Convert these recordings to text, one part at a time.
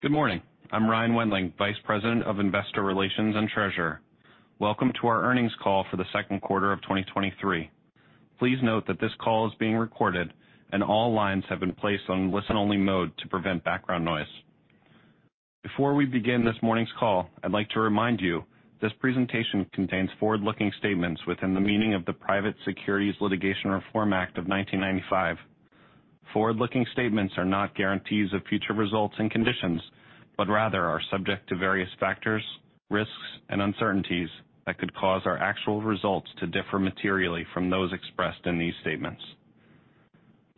Good morning. I'm Ryan Wendling, Vice President of Investor Relations and Treasurer. Welcome to our Earnings Call for the Second Quarter of 2023. Please note that this call is being recorded, and all lines have been placed on listen-only mode to prevent background noise. Before we begin this morning's call, I'd like to remind you this presentation contains forward-looking statements within the meaning of the Private Securities Litigation Reform Act of 1995. Forward-looking statements are not guarantees of future results and conditions, but rather are subject to various factors, risks, and uncertainties that could cause our actual results to differ materially from those expressed in these statements.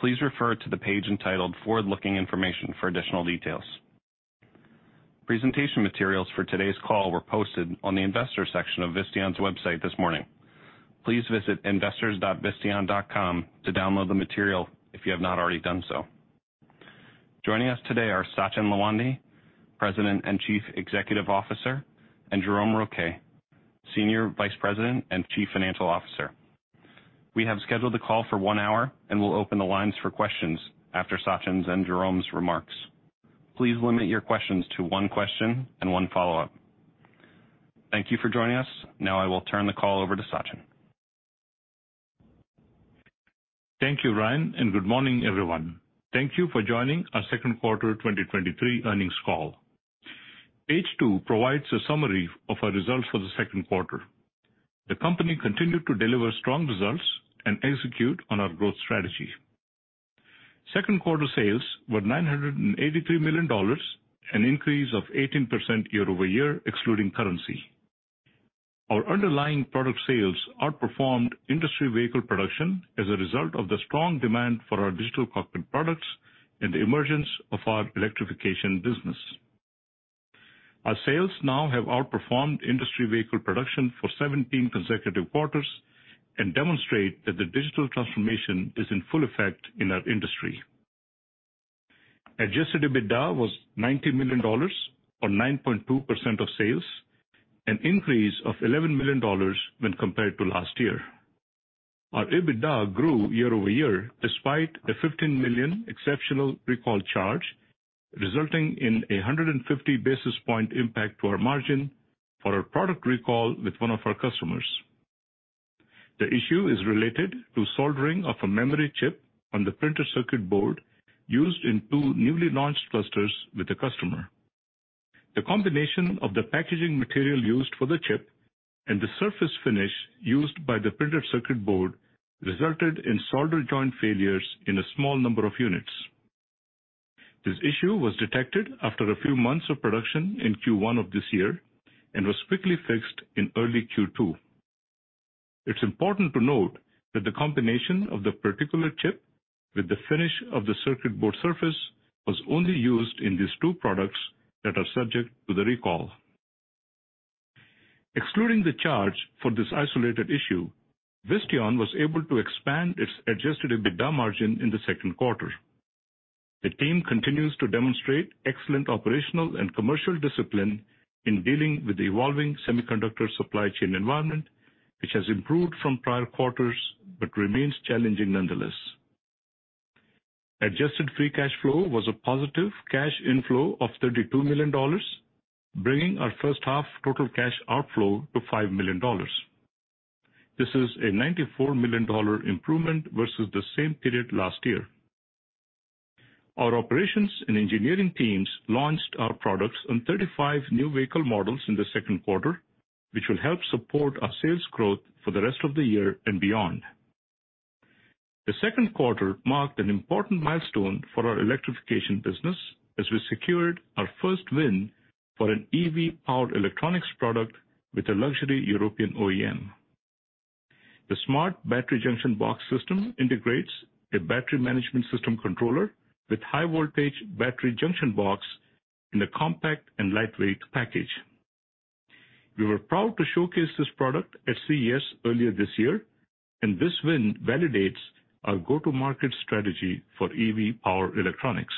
Please refer to the page entitled Forward-Looking Information for additional details. Presentation materials for today's call were posted on the investor section of Visteon's website this morning. Please visit investors.visteon.com to download the material if you have not already done so. Joining us today are Sachin Lawande, President and Chief Executive Officer, and Jérôme Rouquet, Senior Vice President and Chief Financial Officer. We have scheduled the call for one hour and will open the lines for questions after Sachin's and Jerome's remarks. Please limit your questions to one question and one follow-up. Thank you for joining us. Now I will turn the call over to Sachin. Thank you, Ryan. Good morning, everyone. Thank you for joining our second quarter 2023 earnings call. Page two provides a summary of our results for the second quarter. The company continued to deliver strong results and execute on our growth strategy. Second quarter sales were $983 million, an increase of 18% year-over-year, excluding currency. Our underlying product sales outperformed industry vehicle production as a result of the strong demand for our digital cockpit products and the emergence of our electrification business. Our sales now have outperformed industry vehicle production for 17 consecutive quarters and demonstrate that the digital transformation is in full effect in our industry. Adjusted EBITDA was $90 million or 9.2% of sales, an increase of $11 million when compared to last year. Our EBITDA grew year-over-year despite a $15 million exceptional recall charge, resulting in a 150 basis point impact to our margin for a product recall with one of our customers. The issue is related to soldering of a memory chip on the printed circuit board used in two newly launched clusters with the customer. The combination of the packaging material used for the chip and the surface finish used by the printed circuit board resulted in solder joint failures in a small number of units. This issue was detected after a few months of production in Q1 of this year and was quickly fixed in early Q2. It's important to note that the combination of the particular chip with the finish of the circuit board surface was only used in these two products that are subject to the recall. Excluding the charge for this isolated issue, Visteon was able to expand its adjusted EBITDA margin in the second quarter. The team continues to demonstrate excellent operational and commercial discipline in dealing with the evolving semiconductor supply chain environment, which has improved from prior quarters but remains challenging nonetheless. Adjusted free cash flow was a positive cash inflow of $32 million, bringing our first half total cash outflow to $5 million. This is a $94 million improvement versus the same period last year. Our operations and engineering teams launched our products on 35 new vehicle models in the second quarter, which will help support our sales growth for the rest of the year and beyond. The second quarter marked an important milestone for our electrification business as we secured our first win for an EV powered electronics product with a luxury European OEM. The smart battery junction box system integrates a battery management system controller with high-voltage battery junction box in a compact and lightweight package. We were proud to showcase this product at CES earlier this year. This win validates our go-to-market strategy for EV power electronics.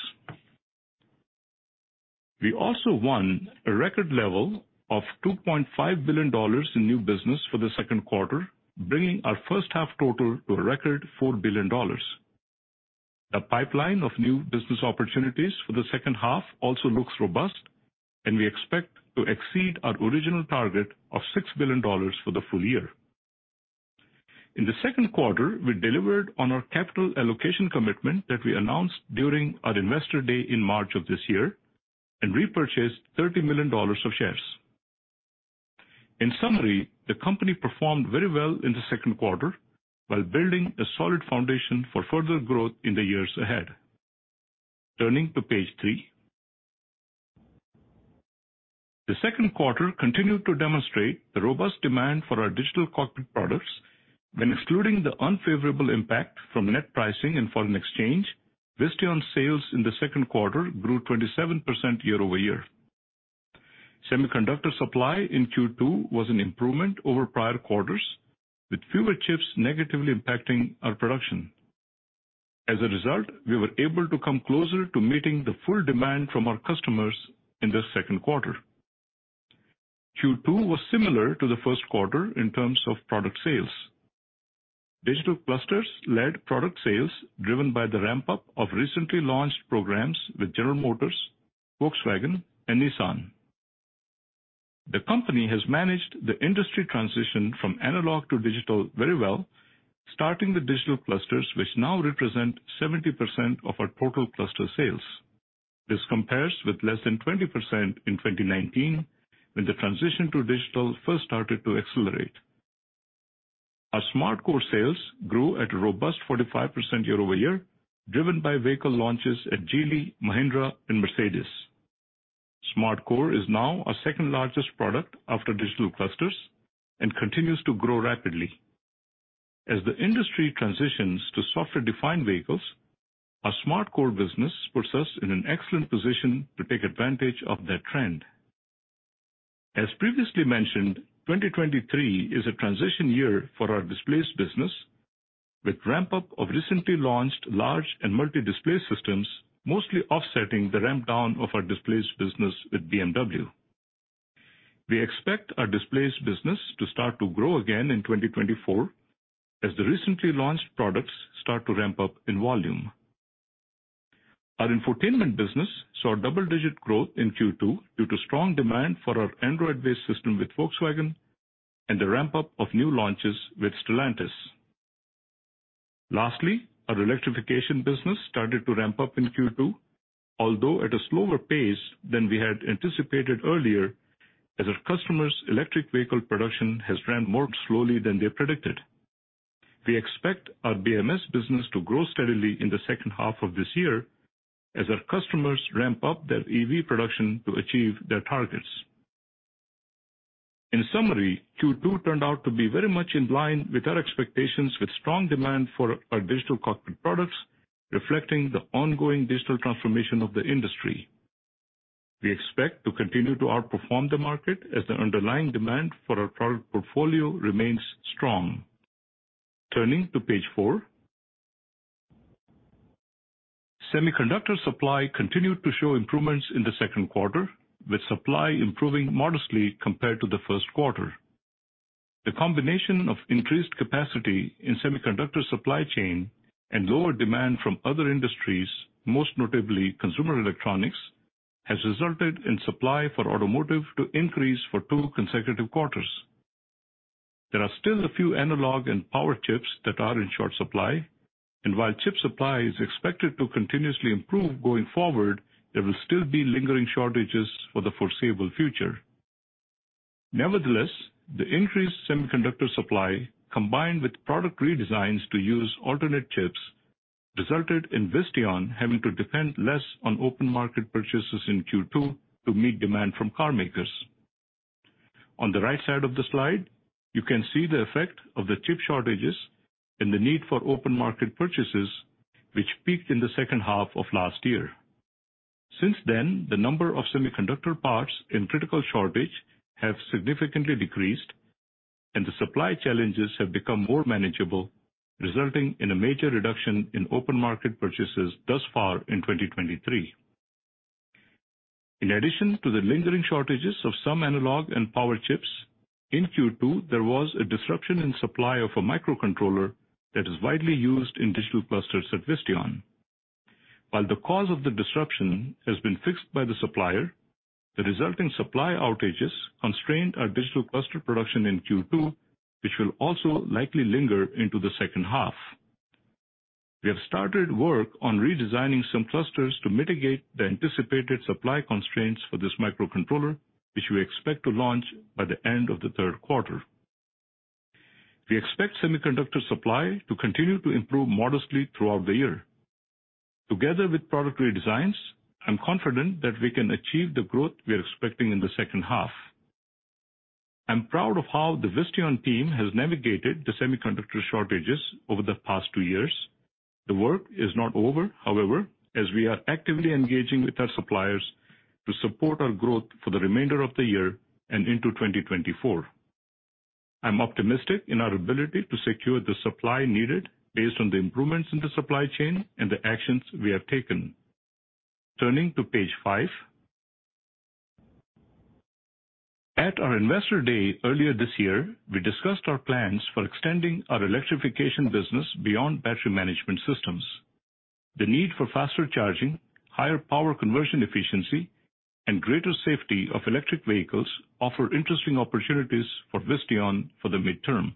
We also won a record level of $2.5 billion in new business for the second quarter, bringing our first half total to a record $4 billion. The pipeline of new business opportunities for the second half also looks robust. We expect to exceed our original target of $6 billion for the full year. In the second quarter, we delivered on our capital allocation commitment that we announced during our Investor Day in March of this year and repurchased $30 million of shares. In summary, the company performed very well in the second quarter while building a solid foundation for further growth in the years ahead. Turning to Page three. The second quarter continued to demonstrate the robust demand for our digital cockpit products. When excluding the unfavorable impact from net pricing and foreign exchange, Visteon sales in the second quarter grew 27% year over year. Semiconductor supply in Q2 was an improvement over prior quarters, with fewer chips negatively impacting our production. As a result, we were able to come closer to meeting the full demand from our customers in the second quarter. Q2 was similar to the first quarter in terms of product sales. Digital clusters led product sales, driven by the ramp-up of recently launched programs with General Motors, Volkswagen, and Nissan. The company has managed the industry transition from analog to digital very well, starting with digital clusters, which now represent 70% of our total cluster sales. This compares with less than 20% in 2019, when the transition to digital first started to accelerate. Our SmartCore sales grew at a robust 45% year-over-year, driven by vehicle launches at Geely, Mahindra, and Mercedes. SmartCore is now our second-largest product after digital clusters and continues to grow rapidly. As the industry transitions to software-defined vehicles, our SmartCore business puts us in an excellent position to take advantage of that trend. As previously mentioned, 2023 is a transition year for our displays business, with ramp-up of recently launched large and multi-display systems, mostly offsetting the ramp down of our displays business with BMW. We expect our displays business to start to grow again in 2024 as the recently launched products start to ramp up in volume. Our infotainment business saw double-digit growth in Q2 due to strong demand for our Android-based system with Volkswagen and the ramp-up of new launches with Stellantis. Lastly, our electrification business started to ramp up in Q2, although at a slower pace than we had anticipated earlier, as our customers' electric vehicle production has ramped more slowly than they predicted. We expect our BMS business to grow steadily in the second half of this year as our customers ramp up their EV production to achieve their targets. In summary, Q2 turned out to be very much in line with our expectations, with strong demand for our digital cockpit products, reflecting the ongoing digital transformation of the industry. We expect to continue to outperform the market as the underlying demand for our product portfolio remains strong. Turning to Page four. Semiconductor supply continued to show improvements in the second quarter, with supply improving modestly compared to the first quarter. The combination of increased capacity in semiconductor supply chain and lower demand from other industries, most notably consumer electronics, has resulted in supply for automotive to increase for two consecutive quarters. There are still a few analog and power chips that are in short supply, while chip supply is expected to continuously improve going forward, there will still be lingering shortages for the foreseeable future. Nevertheless, the increased semiconductor supply, combined with product redesigns to use alternate chips, resulted in Visteon having to depend less on open market purchases in Q2 to meet demand from carmakers. On the right side of the slide, you can see the effect of the chip shortages and the need for open market purchases, which peaked in the second half of last year. Since then, the number of semiconductor parts in critical shortage have significantly decreased, and the supply challenges have become more manageable, resulting in a major reduction in open market purchases thus far in 2023. In addition to the lingering shortages of some analog and power chips, in Q2, there was a disruption in supply of a microcontroller that is widely used in digital clusters at Visteon. While the cause of the disruption has been fixed by the supplier, the resulting supply outages constrained our digital cluster production in Q2, which will also likely linger into the second half. We have started work on redesigning some clusters to mitigate the anticipated supply constraints for this microcontroller, which we expect to launch by the end of the third quarter. We expect semiconductor supply to continue to improve modestly throughout the year. Together with product redesigns, I'm confident that we can achieve the growth we are expecting in the second half. I'm proud of how the Visteon team has navigated the semiconductor shortages over the past 2 years. The work is not over, however, as we are actively engaging with our suppliers to support our growth for the remainder of the year and into 2024. I'm optimistic in our ability to secure the supply needed based on the improvements in the supply chain and the actions we have taken. Turning to Page five. At our Investor Day earlier this year, we discussed our plans for extending our electrification business beyond battery management systems. The need for faster charging, higher power conversion efficiency, and greater safety of electric vehicles offer interesting opportunities for Visteon for the midterm.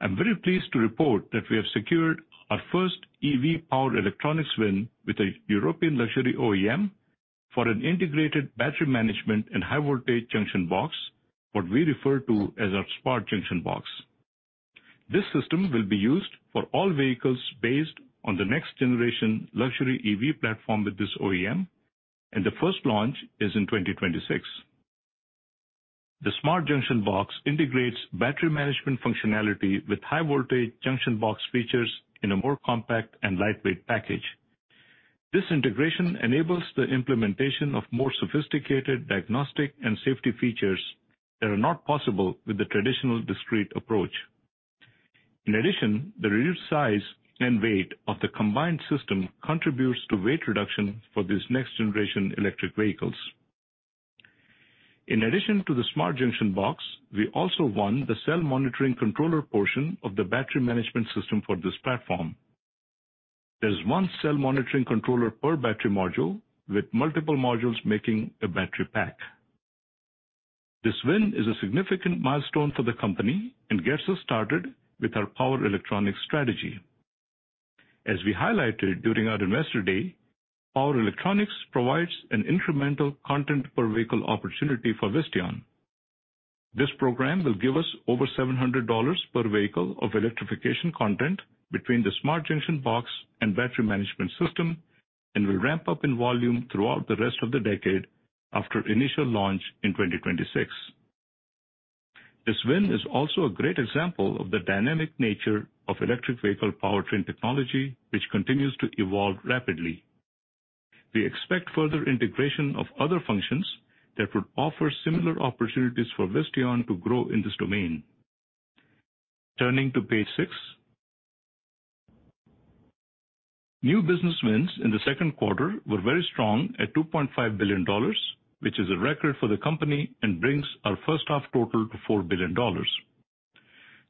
I'm very pleased to report that we have secured our first EV power electronics win with a luxury European OEM for an integrated battery management and high voltage junction box, what we refer to as our smart junction box. This system will be used for all vehicles based on the next generation luxury EV platform with this OEM, and the first launch is in 2026. The smart junction box integrates battery management functionality with high voltage junction box features in a more compact and lightweight package. This integration enables the implementation of more sophisticated diagnostic and safety features that are not possible with the traditional discrete approach. In addition, the reduced size and weight of the combined system contributes to weight reduction for these next-generation electric vehicles. In addition to the smart junction box, we also won the cell monitoring controller portion of the battery management system for this platform. There is 1 cell monitoring controller per battery module, with multiple modules making a battery pack. This win is a significant milestone for the company and gets us started with our power electronics strategy. As we highlighted during our Investor Day, power electronics provides an incremental content per vehicle opportunity for Visteon. This program will give us over $700 per vehicle of electrification content between the Smart Junction Box and battery management system, and will ramp up in volume throughout the rest of the decade after initial launch in 2026. This win is also a great example of the dynamic nature of electric vehicle powertrain technology, which continues to evolve rapidly. We expect further integration of other functions that would offer similar opportunities for Visteon to grow in this domain. Turning to Page six. New business wins in the second quarter were very strong at $2.5 billion, which is a record for the company and brings our first half total to $4 billion.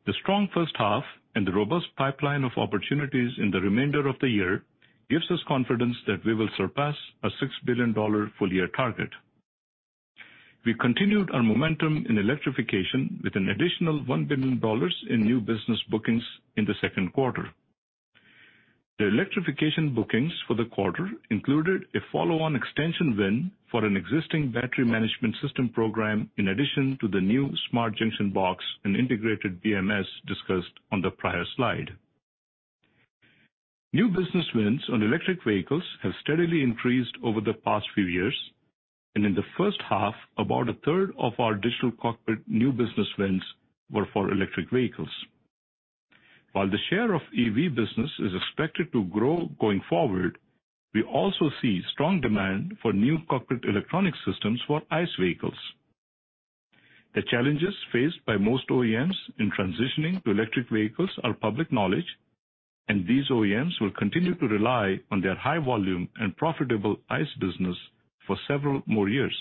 The strong first half and the robust pipeline of opportunities in the remainder of the year gives us confidence that we will surpass a $6 billion full-year target. We continued our momentum in electrification with an additional $1 billion in new business bookings in the second quarter. The electrification bookings for the quarter included a follow-on extension win for an existing battery management system program, in addition to the new smart junction box and integrated BMS discussed on the prior slide. New business wins on electric vehicles have steadily increased over the past few years. In the first half, about a third of our digital cockpit new business wins were for electric vehicles. While the share of EV business is expected to grow going forward, we also see strong demand for new cockpit electronic systems for ICE vehicles. The challenges faced by most OEMs in transitioning to electric vehicles are public knowledge. These OEMs will continue to rely on their high volume and profitable ICE business for several more years.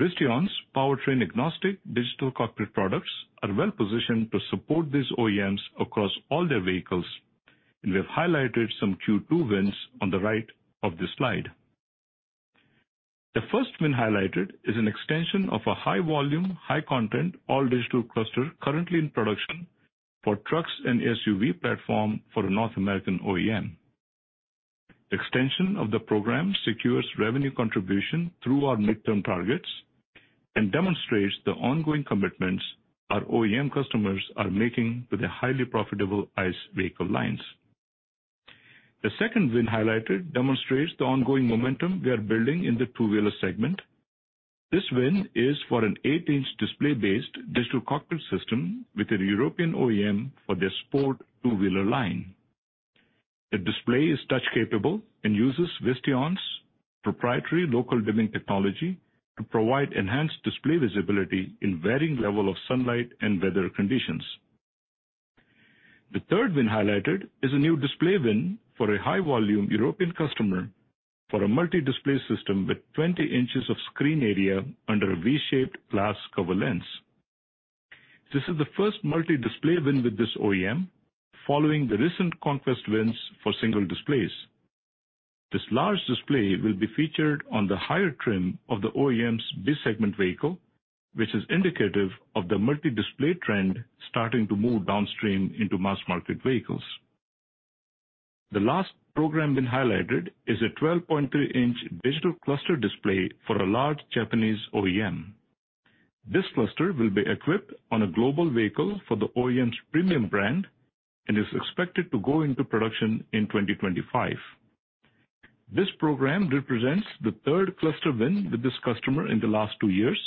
Visteon's powertrain-agnostic digital cockpit products are well positioned to support these OEMs across all their vehicles, and we have highlighted some Q2 wins on the right of this slide. The first win highlighted is an extension of a high-volume, high-content, all-digital cluster currently in production for trucks and SUV platform for a North American OEM. Extension of the program secures revenue contribution through our midterm targets and demonstrates the ongoing commitments our OEM customers are making with their highly profitable ICE vehicle lines. The second win highlighted demonstrates the ongoing momentum we are building in the two-wheeler segment. This win is for an eight-inch display-based digital cockpit system with a European OEM for their sport two-wheeler line. The display is touch-capable and uses Visteon's proprietary local dimming technology to provide enhanced display visibility in varying level of sunlight and weather conditions. The third win highlighted is a new display win for a high-volume European customer for a multi-display system with 20 inches of screen area under a V-shaped glass cover lens. This is the first multi-display win with this OEM, following the recent conquest wins for single displays. This large display will be featured on the higher trim of the OEM's B-segment vehicle, which is indicative of the multi-display trend starting to move downstream into mass-market vehicles. The last program win highlighted is a 12.3-inch digital cluster display for a large Japanese OEM. This cluster will be equipped on a global vehicle for the OEM's premium brand and is expected to go into production in 2025. This program represents the third cluster win with this customer in the last two years,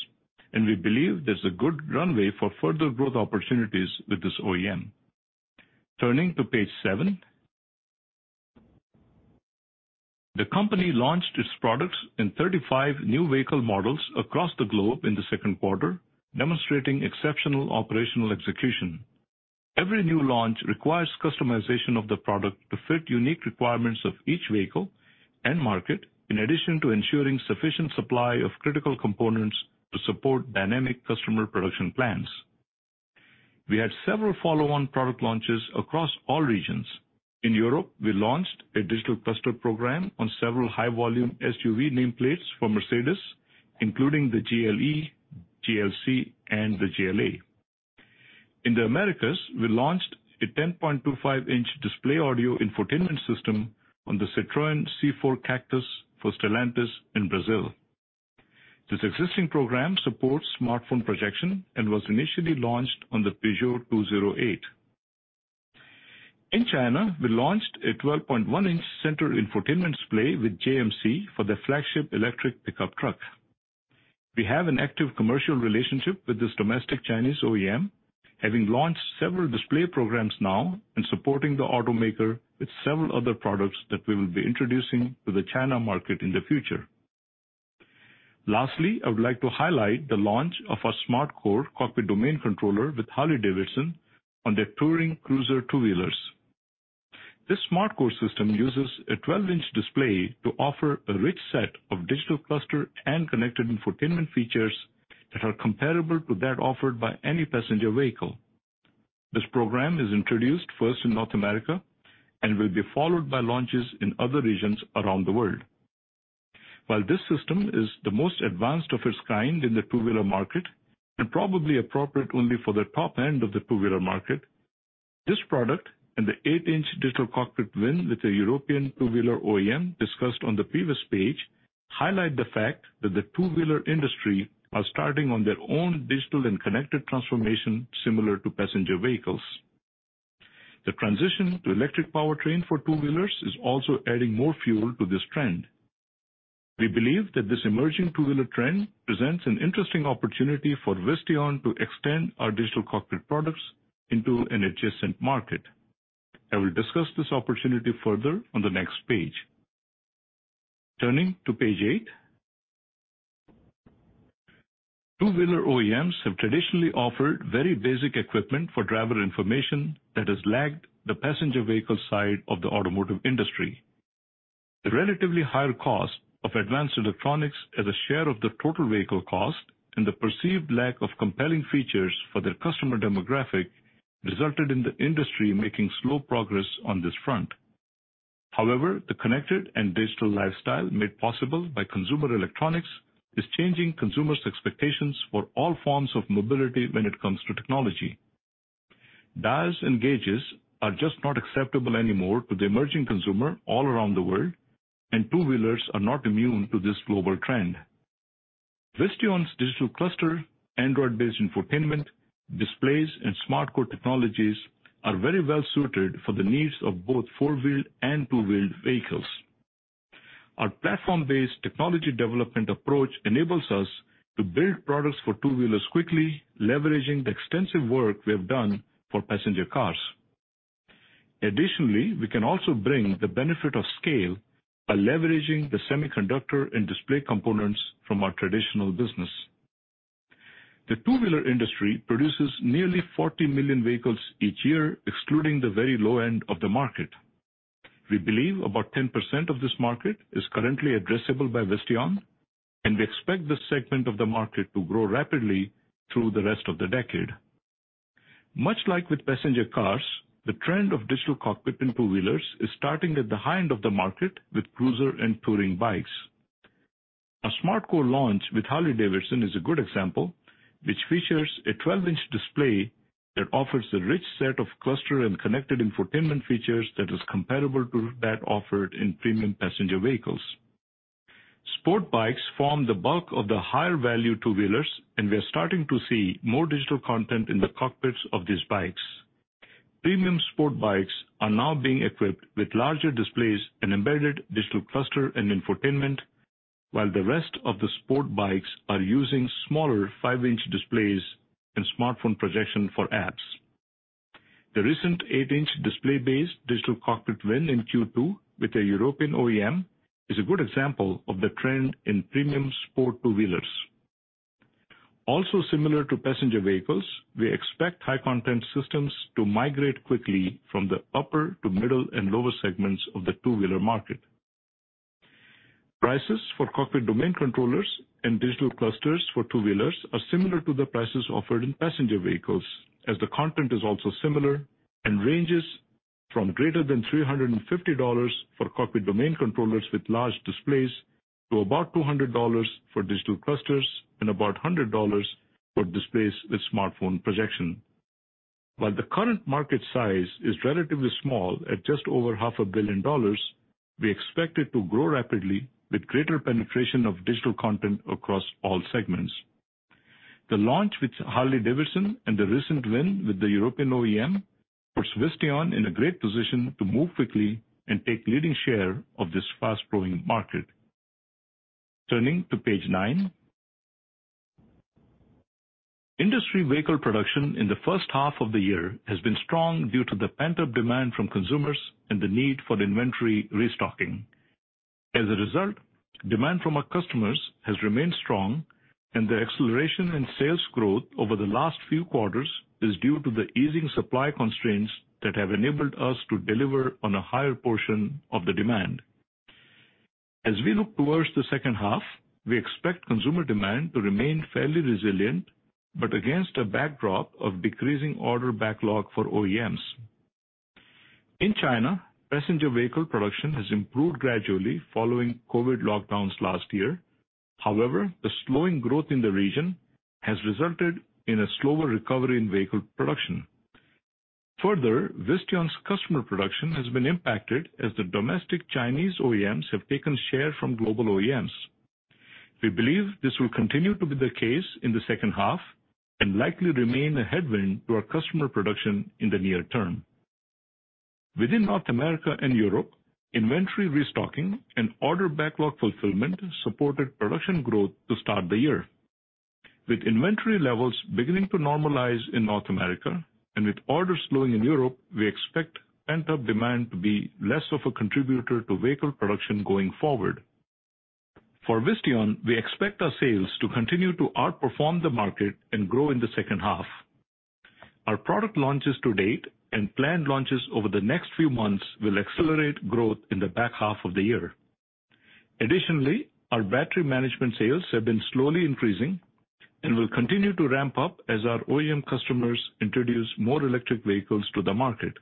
and we believe there's a good runway for further growth opportunities with this OEM. Turning to Page seven. The company launched its products in 35 new vehicle models across the globe in the second quarter, demonstrating exceptional operational execution. Every new launch requires customization of the product to fit unique requirements of each vehicle and market, in addition to ensuring sufficient supply of critical components to support dynamic customer production plans. We had several follow-on product launches across all regions. In Europe, we launched a digital cluster program on several high-volume SUV nameplates for Mercedes, including the GLE, GLC, and the GLA. In the Americas, we launched a 10.25-inch display audio infotainment system on the Citroën C4 Cactus for Stellantis in Brazil. This existing program supports smartphone projection and was initially launched on the Peugeot 208. In China, we launched a 12.1-inch center infotainment display with JMC for their flagship electric pickup truck. We have an active commercial relationship with this domestic Chinese OEM, having launched several display programs now and supporting the automaker with several other products that we will be introducing to the China market in the future. Lastly, I would like to highlight the launch of our SmartCore cockpit domain controller with Harley-Davidson on their touring cruiser two-wheelers. This SmartCore system uses a 12-inch display to offer a rich set of digital cluster and connected infotainment features that are comparable to that offered by any passenger vehicle. This program is introduced first in North America and will be followed by launches in other regions around the world. While this system is the most advanced of its kind in the two-wheeler market, and probably appropriate only for the top end of the two-wheeler market, this product and the eight inch digital cockpit win with a European two-wheeler OEM discussed on the previous page, highlight the fact that the two-wheeler industry are starting on their own digital and connected transformation, similar to passenger vehicles. The transition to electric powertrain for two-wheelers is also adding more fuel to this trend. We believe that this emerging two-wheeler trend presents an interesting opportunity for Visteon to extend our digital cockpit products into an adjacent market. I will discuss this opportunity further on the next page. Turning to Page eight. Two-wheeler OEMs have traditionally offered very basic equipment for driver information that has lagged the passenger vehicle side of the automotive industry. The relatively higher cost of advanced electronics as a share of the total vehicle cost and the perceived lack of compelling features for their customer demographic, resulted in the industry making slow progress on this front. The connected and digital lifestyle made possible by consumer electronics is changing consumers' expectations for all forms of mobility when it comes to technology. Dials and gauges are just not acceptable anymore to the emerging consumer all around the world. Two-wheelers are not immune to this global trend. Visteon's digital cluster, Android-based infotainment, displays, and SmartCore technologies are very well suited for the needs of both four-wheeled and two-wheeled vehicles. Our platform-based technology development approach enables us to build products for two-wheelers quickly, leveraging the extensive work we have done for passenger cars. Additionally, we can also bring the benefit of scale by leveraging the semiconductor and display components from our traditional business. The two-wheeler industry produces nearly 40 million vehicles each year, excluding the very low end of the market. We believe about 10% of this market is currently addressable by Visteon, and we expect this segment of the market to grow rapidly through the rest of the decade. Much like with passenger cars, the trend of digital cockpit in two-wheelers is starting at the high end of the market with cruiser and touring bikes. Our SmartCore launch with Harley-Davidson is a good example, which features a 12-inch display that offers a rich set of cluster and connected infotainment features that is comparable to that offered in premium passenger vehicles. Sport bikes form the bulk of the higher value two-wheelers, and we are starting to see more digital content in the cockpits of these bikes. Premium sport bikes are now being equipped with larger displays and embedded digital cluster and infotainment, while the rest of the sport bikes are using smaller 5-inch displays and smartphone projection for apps. The recent 8-inch display-based digital cockpit win in Q2 with a European OEM is a good example of the trend in premium sport two-wheelers. Similar to passenger vehicles, we expect high content systems to migrate quickly from the upper to middle and lower segments of the two-wheeler market. Prices for cockpit domain controllers and digital clusters for two-wheelers are similar to the prices offered in passenger vehicles, as the content is also similar, and ranges from greater than $350 for cockpit domain controllers with large displays, to about $200 for digital clusters, and about $100 for displays with smartphone projection. While the current market size is relatively small, at just over $500 million, we expect it to grow rapidly with greater penetration of digital content across all segments. The launch with Harley-Davidson and the recent win with the European OEM, puts Visteon in a great position to move quickly and take leading share of this fast-growing market. Turning to Page nine. Industry vehicle production in the first half of the year has been strong due to the pent-up demand from consumers and the need for inventory restocking. As a result, demand from our customers has remained strong, and the acceleration in sales growth over the last few quarters is due to the easing supply constraints that have enabled us to deliver on a higher portion of the demand. As we look towards the second half, we expect consumer demand to remain fairly resilient, but against a backdrop of decreasing order backlog for OEMs. In China, passenger vehicle production has improved gradually following COVID lockdowns last year. However, the slowing growth in the region has resulted in a slower recovery in vehicle production. Further, Visteon's customer production has been impacted as the domestic Chinese OEMs have taken share from global OEMs. We believe this will continue to be the case in the second half and likely remain a headwind to our customer production in the near term. Within North America and Europe, inventory restocking and order backlog fulfillment supported production growth to start the year. With inventory levels beginning to normalize in North America and with orders slowing in Europe, we expect pent-up demand to be less of a contributor to vehicle production going forward. For Visteon, we expect our sales to continue to outperform the market and grow in the second half. Our product launches to date and planned launches over the next few months will accelerate growth in the back half of the year. Additionally, our battery management sales have been slowly increasing and will continue to ramp up as our OEM customers introduce more electric vehicles to the market.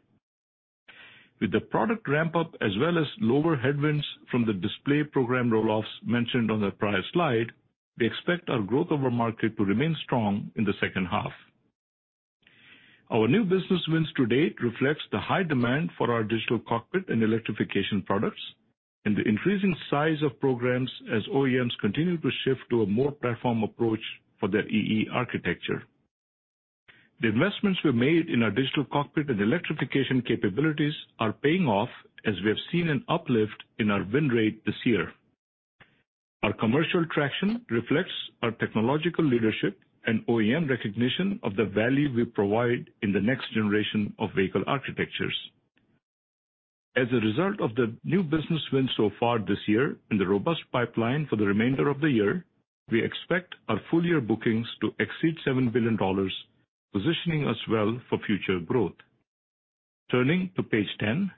With the product ramp-up, as well as lower headwinds from the display program roll-offs mentioned on the prior slide, we expect our growth over market to remain strong in the second half. Our new business wins to date reflects the high demand for our digital cockpit and electrification products, and the increasing size of programs as OEMs continue to shift to a more platform approach for their EE architecture. The investments we've made in our digital cockpit and electrification capabilities are paying off, as we have seen an uplift in our win rate this year. Our commercial traction reflects our technological leadership and OEM recognition of the value we provide in the next generation of vehicle architectures. As a result of the new business wins so far this year and the robust pipeline for the remainder of the year, we expect our full-year bookings to exceed $7 billion, positioning us well for future growth. Turning to Page 10.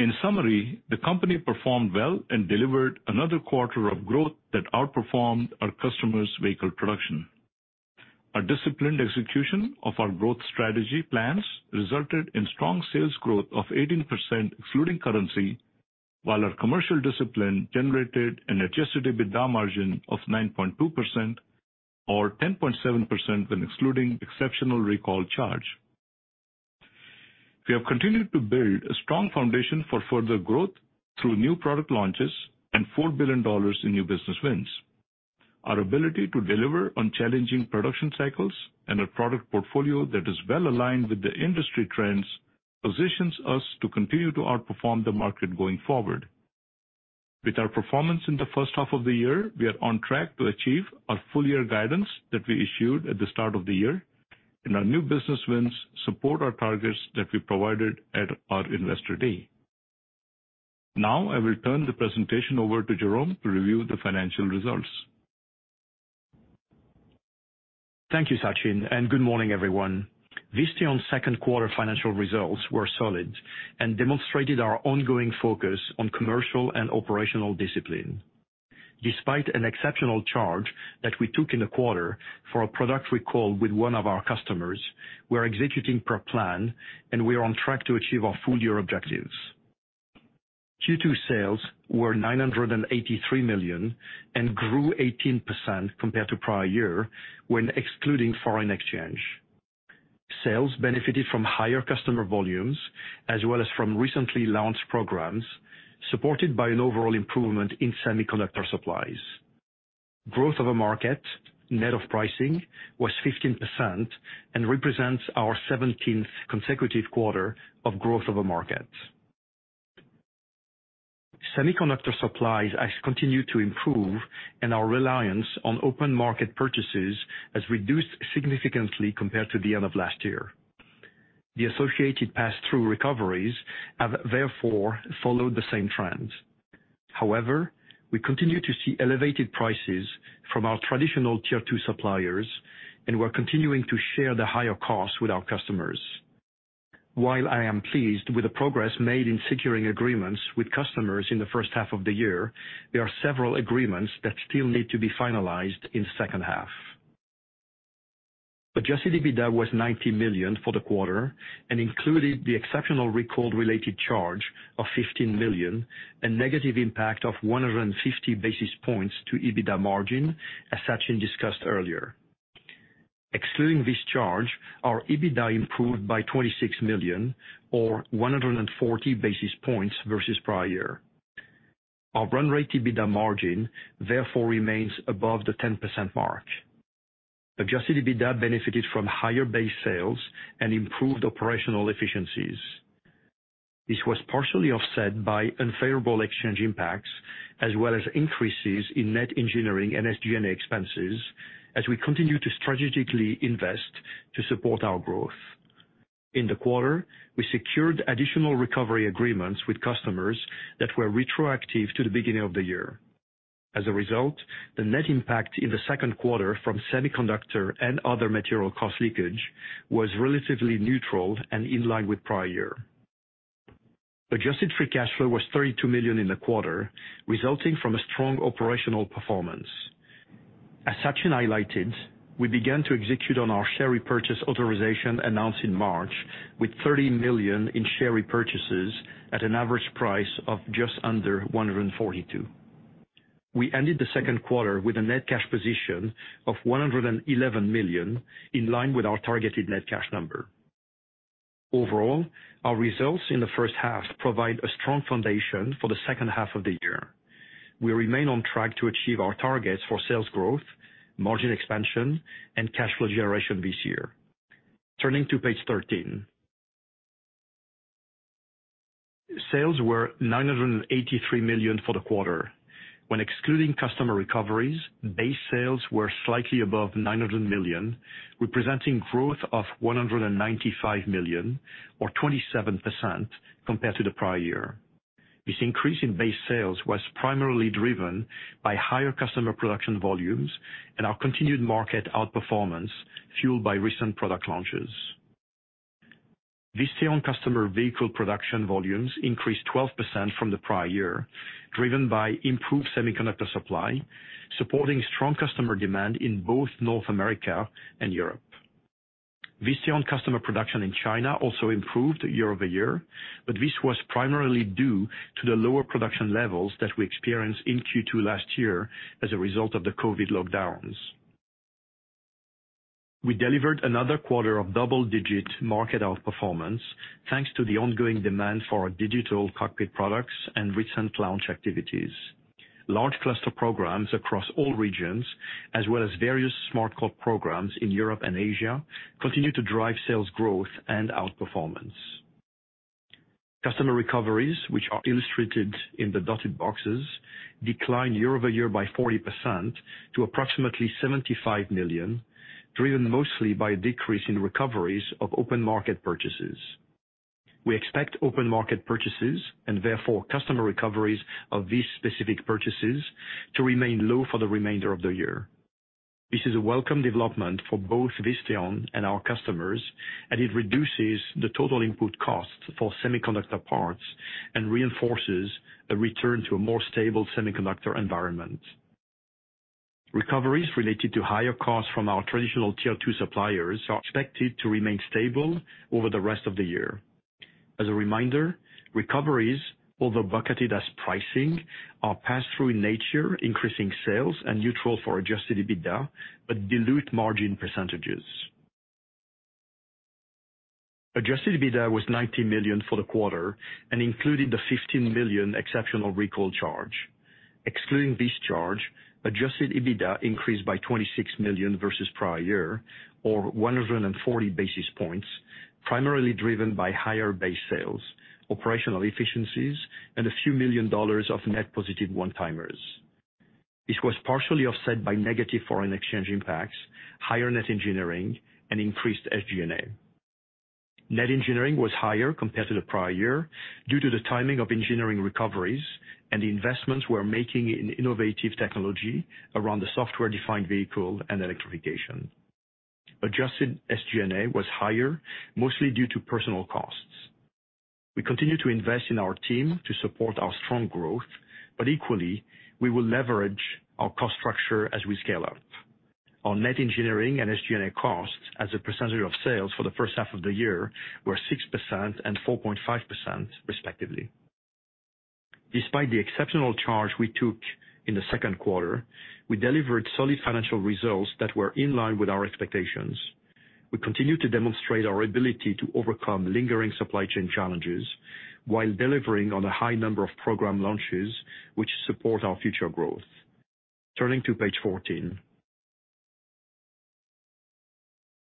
In summary, the company performed well and delivered another quarter of growth that outperformed our customers' vehicle production. Our disciplined execution of our growth strategy plans resulted in strong sales growth of 18%, excluding currency, while our commercial discipline generated an Adjusted EBITDA margin of 9.2%, or 10.7% when excluding exceptional recall charge. We have continued to build a strong foundation for further growth through new product launches and $4 billion in new business wins. Our ability to deliver on challenging production cycles and a product portfolio that is well aligned with the industry trends, positions us to continue to outperform the market going forward. With our performance in the first half of the year, we are on track to achieve our full-year guidance that we issued at the start of the year, and our new business wins support our targets that we provided at our Investor Day. Now I will turn the presentation over to Jerome to review the financial results. Thank you, Sachin. Good morning, everyone. Visteon's second quarter financial results were solid and demonstrated our ongoing focus on commercial and operational discipline. Despite an exceptional charge that we took in the quarter for a product recall with one of our customers, we are executing per plan. We are on track to achieve our full-year objectives. Q2 sales were $983 million and grew 18% compared to prior year when excluding foreign exchange. Sales benefited from higher customer volumes as well as from recently launched programs, supported by an overall improvement in semiconductor supplies. Growth of a market, net of pricing, was 15% and represents our 17th consecutive quarter of growth of a market. Semiconductor supplies has continued to improve. Our reliance on open market purchases has reduced significantly compared to the end of last year. The associated pass-through recoveries have therefore followed the same trends. However, we continue to see elevated prices from our traditional Tier Two suppliers, and we're continuing to share the higher costs with our customers. While I am pleased with the progress made in securing agreements with customers in the first half of the year, there are several agreements that still need to be finalized in second half. Adjusted EBITDA was $90 million for the quarter and included the exceptional recall-related charge of $15 million and negative impact of 150 basis points to EBITDA margin, as Sachin discussed earlier. Excluding this charge, our EBITDA improved by $26 million or 140 basis points versus prior year. Our run rate EBITDA margin, therefore, remains above the 10% mark. Adjusted EBITDA benefited from higher base sales and improved operational efficiencies. This was partially offset by unfavorable exchange impacts, as well as increases in net engineering and SG&A expenses, as we continue to strategically invest to support our growth. In the quarter, we secured additional recovery agreements with customers that were retroactive to the beginning of the year. As a result, the net impact in the second quarter from semiconductor and other material cost leakage was relatively neutral and in line with prior year. Adjusted free cash flow was $32 million in the quarter, resulting from a strong operational performance. As Sachin highlighted, we began to execute on our share repurchase authorization announced in March, with $30 million in share repurchases at an average price of just under $142. We ended the second quarter with a net cash position of $111 million, in line with our targeted net cash number. Overall, our results in the first half provide a strong foundation for the second half of the year. We remain on track to achieve our targets for sales growth, margin expansion, and cash flow generation this year. Turning to Page 13. Sales were $983 million for the quarter. When excluding customer recoveries, base sales were slightly above $900 million, representing growth of $195 million or 27% compared to the prior year. This increase in base sales was primarily driven by higher customer production volumes and our continued market outperformance, fueled by recent product launches. Visteon customer vehicle production volumes increased 12% from the prior year, driven by improved semiconductor supply, supporting strong customer demand in both North America and Europe. Visteon customer production in China also improved year-over-year, but this was primarily due to the lower production levels that we experienced in Q2 last year as a result of the COVID lockdowns. We delivered another quarter of double-digit market outperformance, thanks to the ongoing demand for our digital cockpit products and recent launch activities. Large cluster programs across all regions, as well as various SmartCore programs in Europe and Asia, continue to drive sales growth and outperformance. Customer recoveries, which are illustrated in the dotted boxes, declined year-over-year by 40% to approximately $75 million, driven mostly by a decrease in recoveries of open market purchases. We expect open market purchases, and therefore customer recoveries of these specific purchases, to remain low for the remainder of the year. This is a welcome development for both Visteon and our customers, it reduces the total input costs for semiconductor parts and reinforces a return to a more stable semiconductor environment. Recoveries related to higher costs from our traditional tier two suppliers are expected to remain stable over the rest of the year. As a reminder, recoveries, although bucketed as pricing, are passed through in nature, increasing sales and neutral for Adjusted EBITDA, dilute margin percentages. Adjusted EBITDA was $90 million for the quarter and included the $15 million exceptional recall charge. Excluding this charge, Adjusted EBITDA increased by $26 million versus prior year, or 140 basis points, primarily driven by higher base sales, operational efficiencies, and a few million dollars of net positive one-timers. This was partially offset by negative foreign exchange impacts, higher net engineering, and increased SG&A. Net engineering was higher compared to the prior year due to the timing of engineering recoveries and the investments we're making in innovative technology around the software-defined vehicle and electrification. Adjusted SG&A was higher, mostly due to personal costs. We continue to invest in our team to support our strong growth, equally, we will leverage our cost structure as we scale up. Our net engineering and SG&A costs as a percentage of sales for the first half of the year were 6% and 4.5%, respectively. Despite the exceptional charge we took in the second quarter, we delivered solid financial results that were in line with our expectations. We continue to demonstrate our ability to overcome lingering supply chain challenges while delivering on a high number of program launches, which support our future growth. Turning to Page 14.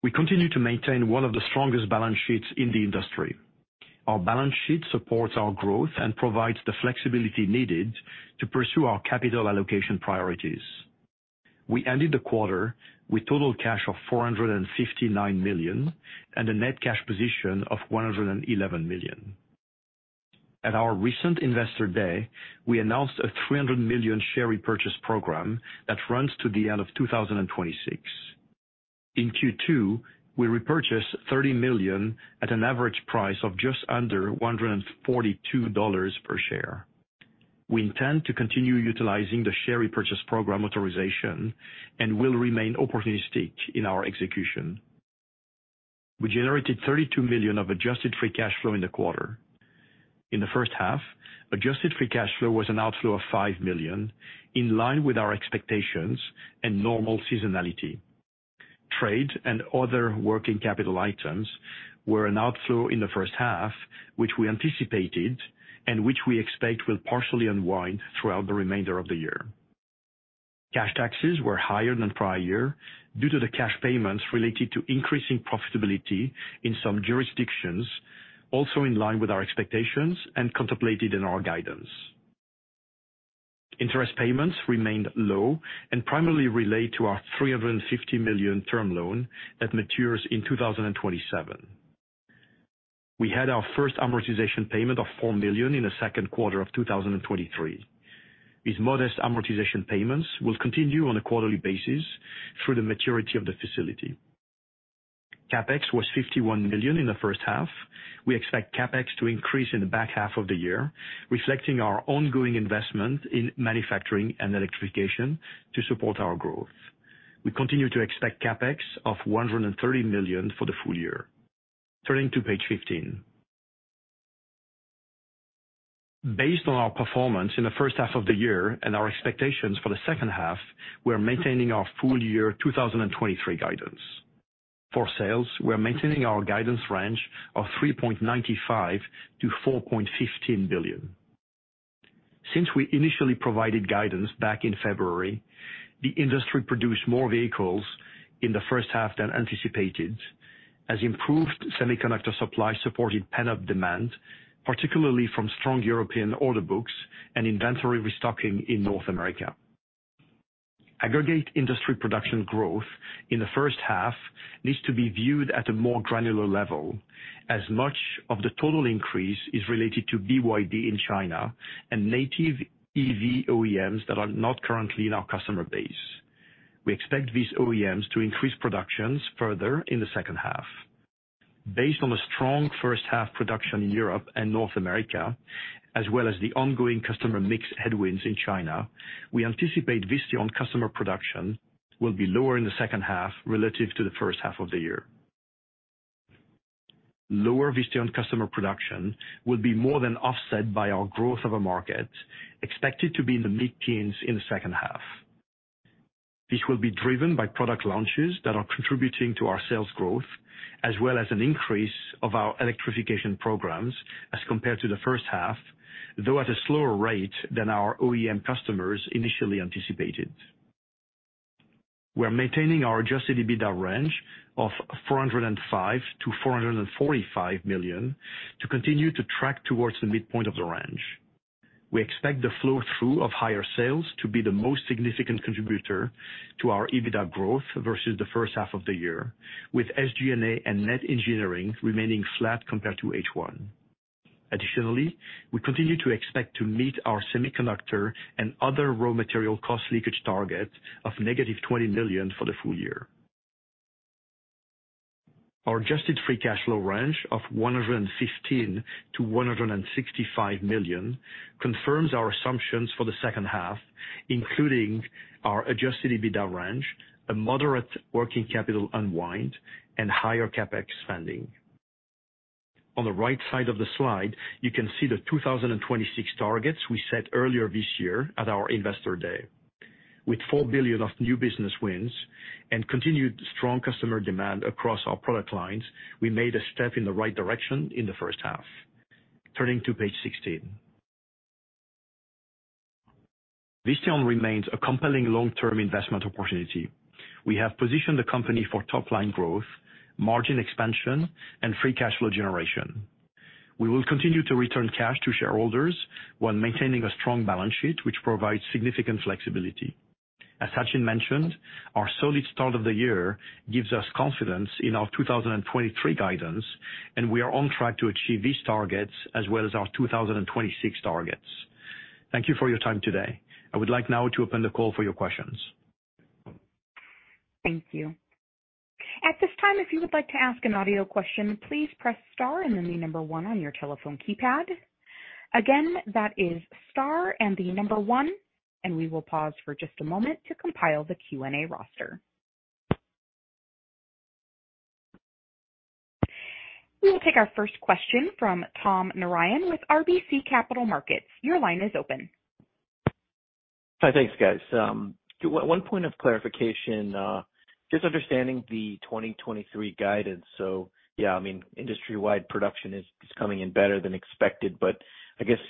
We continue to maintain one of the strongest balance sheets in the industry. Our balance sheet supports our growth and provides the flexibility needed to pursue our capital allocation priorities. We ended the quarter with total cash of $459 million and a net cash position of $111 million. At our recent Investor Day, we announced a $300 million share repurchase program that runs to the end of 2026. In Q2, we repurchased $30 million at an average price of just under $142 per share. We intend to continue utilizing the share repurchase program authorization and will remain opportunistic in our execution. We generated $32 million of adjusted free cash flow in the quarter. In the first half, adjusted free cash flow was an outflow of $5 million, in line with our expectations and normal seasonality. Trade and other working capital items were an outflow in the first half, which we anticipated and which we expect will partially unwind throughout the remainder of the year. Cash taxes were higher than prior year due to the cash payments related to increasing profitability in some jurisdictions, also in line with our expectations and contemplated in our guidance. Interest payments remained low and primarily relate to our $350 million term loan that matures in 2027. We had our first amortization payment of $4 million in the second quarter of 2023. These modest amortization payments will continue on a quarterly basis through the maturity of the facility. CapEx was $51 million in the first half. We expect CapEx to increase in the back half of the year, reflecting our ongoing investment in manufacturing and electrification to support our growth. We continue to expect CapEx of $130 million for the full year. Turning to Page 15. Based on our performance in the first half of the year and our expectations for the second half, we are maintaining our full year 2023 guidance. For sales, we are maintaining our guidance range of $3.95 billion-$4.15 billion. Since we initially provided guidance back in February, the industry produced more vehicles in the first half than anticipated, as improved semiconductor supply supported pent-up demand, particularly from strong European order books and inventory restocking in North America. Aggregate industry production growth in the first half needs to be viewed at a more granular level, as much of the total increase is related to BYD in China and native EV OEMs that are not currently in our customer base. We expect these OEMs to increase productions further in the second half. Based on a strong first half production in Europe and North America, as well as the ongoing customer mix headwinds in China, we anticipate Visteon customer production will be lower in the second half relative to the first half of the year. Lower Visteon customer production will be more than offset by our growth of a market, expected to be in the mid-teens in the second half. This will be driven by product launches that are contributing to our sales growth, as well as an increase of our electrification programs as compared to the first half, though at a slower rate than our OEM customers initially anticipated. We're maintaining our Adjusted EBITDA range of $405 million to $445 million to continue to track towards the midpoint of the range. We expect the flow-through of higher sales to be the most significant contributor to our EBITDA growth versus the first half of the year, with SG&A and net engineering remaining flat compared to H1. Additionally, we continue to expect to meet our semiconductor and other raw material cost leakage target of -$20 million for the full year. Our adjusted free cash flow range of $115 million to $165 million confirms our assumptions for the second half, including our adjusted EBITDA range, a moderate working capital unwind, and higher CapEx spending. On the right side of the slide, you can see the 2026 targets we set earlier this year at our Investor Day. With $4 billion of new business wins and continued strong customer demand across our product lines, we made a step in the right direction in the first half. Turning to Page 16. Visteon remains a compelling long-term investment opportunity. We have positioned the company for top-line growth, margin expansion, and free cash flow generation. We will continue to return cash to shareholders while maintaining a strong balance sheet, which provides significant flexibility. As Sachin mentioned, our solid start of the year gives us confidence in our 2023 guidance, and we are on track to achieve these targets as well as our 2026 targets. Thank you for your time today. I would like now to open the call for your questions. Thank you. At this time, if you would like to ask an audio question, please press star and then the number one on your telephone keypad. Again, that is star and the number one, and we will pause for just a moment to compile the Q&A roster. We will take our first question from Tom Narayan with RBC Capital Markets. Your line is open. Hi. Thanks, guys. One point of clarification, just understanding the 2023 guidance. Yeah, I mean, industry-wide production is coming in better than expected, but I guess,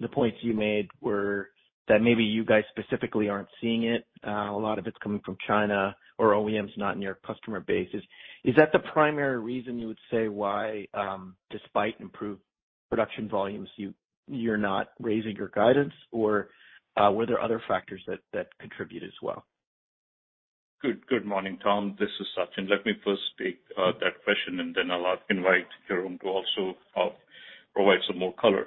the points you made were that maybe you guys specifically aren't seeing it. A lot of it's coming from China or OEMs, not in your customer base. Is that the primary reason you would say why, despite improved production volumes, you're not raising your guidance, or were there other factors that contribute as well? Good, good morning, Tom. This is Sachin. Let me first take that question, and then I'll invite Jerome to also provide some more color.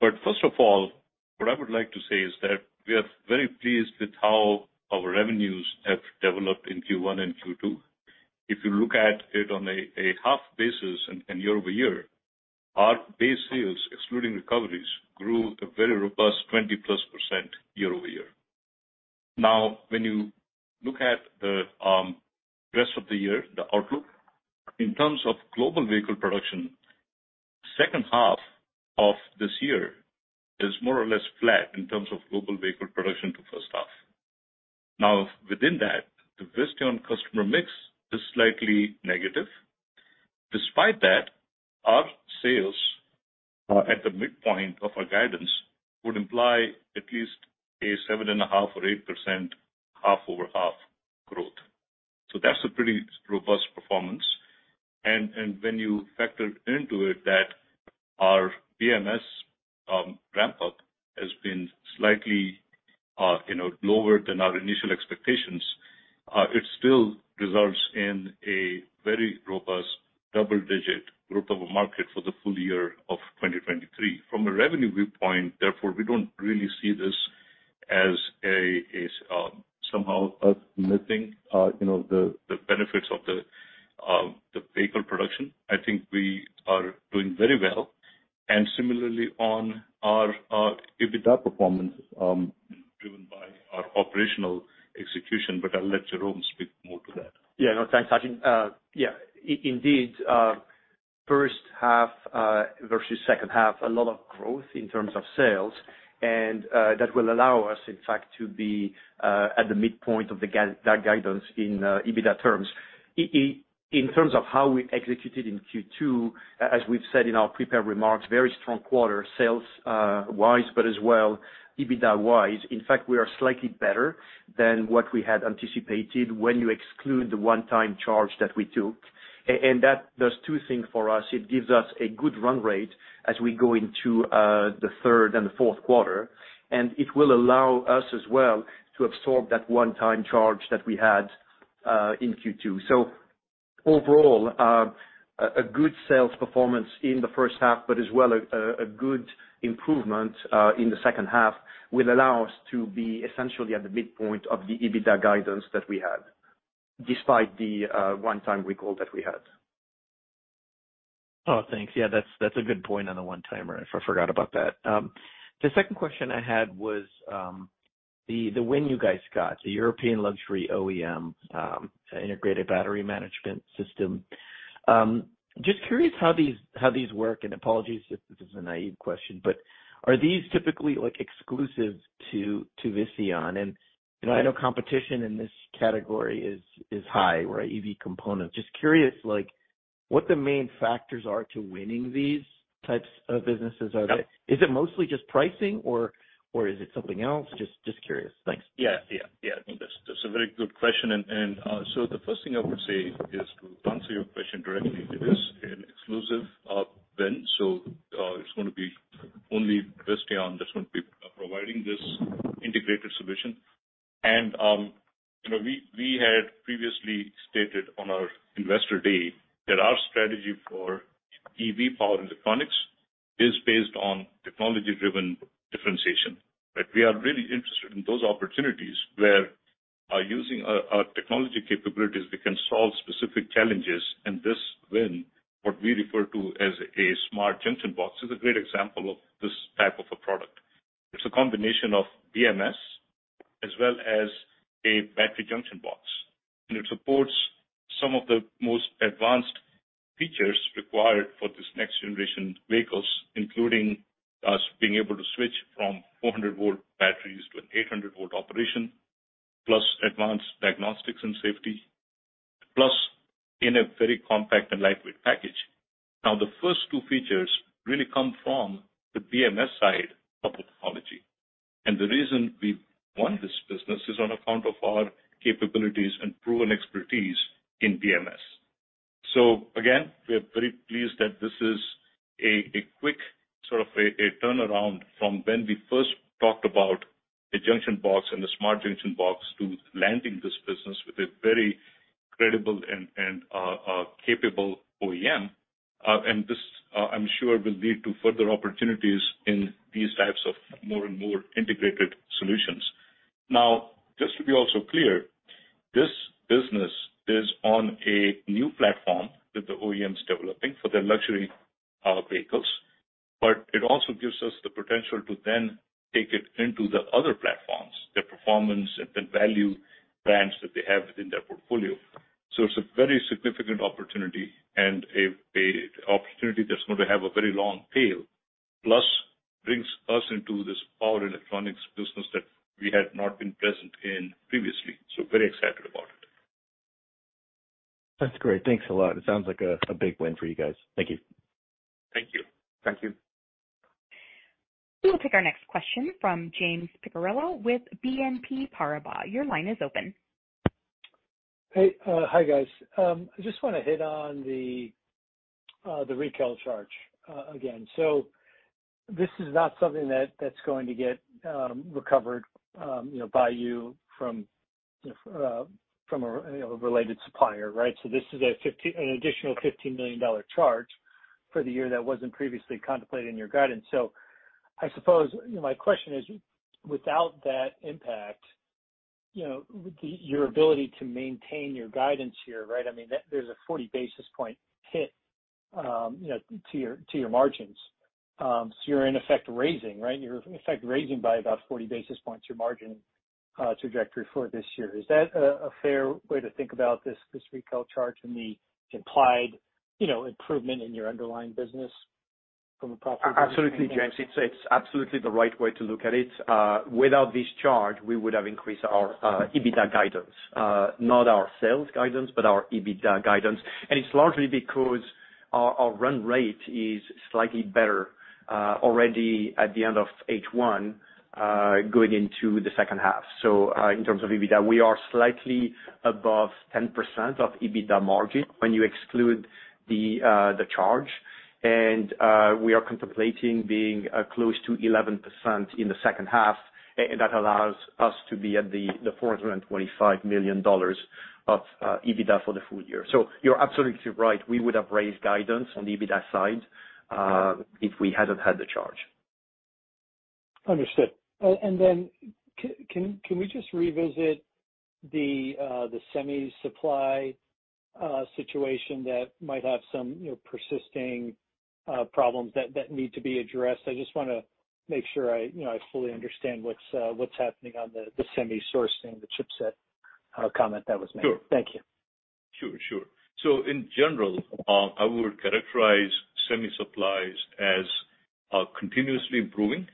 First of all, what I would like to say is that we are very pleased with how our revenues have developed in Q1 and Q2. If you look at it on a half basis and year-over-year, our base sales, excluding recoveries, grew a very robust 20%+ year-over-year. Now, when you look at the rest of the year, the outlook, in terms of global vehicle production, second half of this year is more or less flat in terms of global vehicle production to first half. Now, within that, the Visteon customer mix is slightly negative. Despite that, our sales, at the midpoint of our guidance, would imply at least a 7.5% or 8% half-over-half growth. That's a pretty robust performance. When you factor into it that our BMS ramp-up has been slightly, you know, lower than our initial expectations, it still results in a very robust double-digit growth of a market for the full year of 2023. From a revenue viewpoint, therefore, we don't really see this as a, as somehow us missing, you know, the benefits of the vehicle production. I think we are doing very well, and similarly on our EBITDA performance, driven by our operational execution, but I'll let Jerome speak more to that. Yeah. No, thanks, Sachin. Yeah, indeed, first half versus second half, a lot of growth in terms of sales, and that will allow us, in fact, to be at the midpoint of the that guidance in EBITDA terms. In terms of how we executed in Q2, as we've said in our prepared remarks, very strong quarter sales wise, but as well, EBITDA wise. In fact, we are slightly better than what we had anticipated when you exclude the one-time charge that we took. That does two things for us. It gives us a good run rate as we go into the third and the fourth quarter, and it will allow us as well to absorb that one-time charge that we had in Q2. Overall, a good sales performance in the first half, but as well a good improvement in the second half, will allow us to be essentially at the midpoint of the EBITDA guidance that we had, despite the one-time recall that we had. Oh, thanks. Yeah, that's, that's a good point on the one-timer. I forgot about that. The second question I had was, the, the win you guys got, the European luxury OEM, integrated battery management system. Just curious how these, how these work, and apologies if this is a naive question, but are these typically, like, exclusive to, to Visteon? I know competition in this category is, is high, right? EV component. Just curious, like, what the main factors are to winning these types of businesses. Yep. Is it mostly just pricing or, or is it something else? Just, just curious. Thanks. Yeah. Yeah, yeah. That's a very good question. So the first thing I would say is, to answer your question directly, it is an exclusive win, so it's gonna be only Visteon that's going to be providing this integrated solution. You know, we had previously stated on our Investor Day that our strategy for EV power electronics is based on technology-driven differentiation, that we are really interested in those opportunities where using our technology capabilities, we can solve specific challenges. This win, what we refer to as a smart junction box, is a great example of this type of a product. It's a combination of BMS as well as a battery junction box, and it supports some of the most advanced features required for this next generation vehicles, including us being able to switch from 400 volt batteries to an 800 volt operation, plus advanced diagnostics and safety, plus in a very compact and lightweight package. The first two features really come from the BMS side of the technology, and the reason we won this business is on account of our capabilities and proven expertise in BMS. Again, we are very pleased that this is a quick, sort of a turnaround from when we first talked about the junction box and the smart junction box, to landing this business with a very credible and, and capable OEM. This, I'm sure, will lead to further opportunities in these types of more and more integrated solutions. Just to be also clear, this business is on a new platform that the OEM is developing for their luxury vehicles, but it also gives us the potential to then take it into the other platforms, the performance and the value brands that they have within their portfolio. It's a very significant opportunity and a, a opportunity that's going to have a very long tail, plus brings us into this power electronics business that we had not been present in previously. Very excited about it. That's great. Thanks a lot. It sounds like a big win for you guys. Thank you. Thank you. Thank you. We will take our next question from James Picariello with BNP Paribas. Your line is open. Hey, hi, guys. I just want to hit on the recall charge again. This is not something that, that's going to get recovered, you know, by you from a, you know, a related supplier, right? This is an additional $15 million charge for the year that wasn't previously contemplated in your guidance. I suppose, you know, my question is: without that impact, you know, your ability to maintain your guidance here, right? I mean, that there's a 40 basis point hit, you know, to your, to your margins. You're in effect, raising, right? You're in effect, raising by about 40 basis points, your margin, trajectory for this year. Is that a fair way to think about this recall charge and the implied, you know, improvement in your underlying business from a profit? Absolutely, James. It's absolutely the right way to look at it. Without this charge, we would have increased our EBITDA guidance, not our sales guidance, but our EBITDA guidance. It's largely because our run rate is slightly better already at the end of H1, going into the second half. In terms of EBITDA, we are slightly above 10% of EBITDA margin when you exclude the charge. We are contemplating being close to 11% in the second half. That allows us to be at the $425 million of EBITDA for the full year. You're absolutely right, we would have raised guidance on the EBITDA side if we hadn't had the charge. Understood. Can we just revisit the semi supply situation that might have some, you know, persisting problems that, that need to be addressed? I just wanna make sure I, you know, I fully understand what's happening on the semi sourcing, the chipset comment that was made. Sure. Thank you. Sure, sure. In general, I would characterize semi supplies as continuously improving.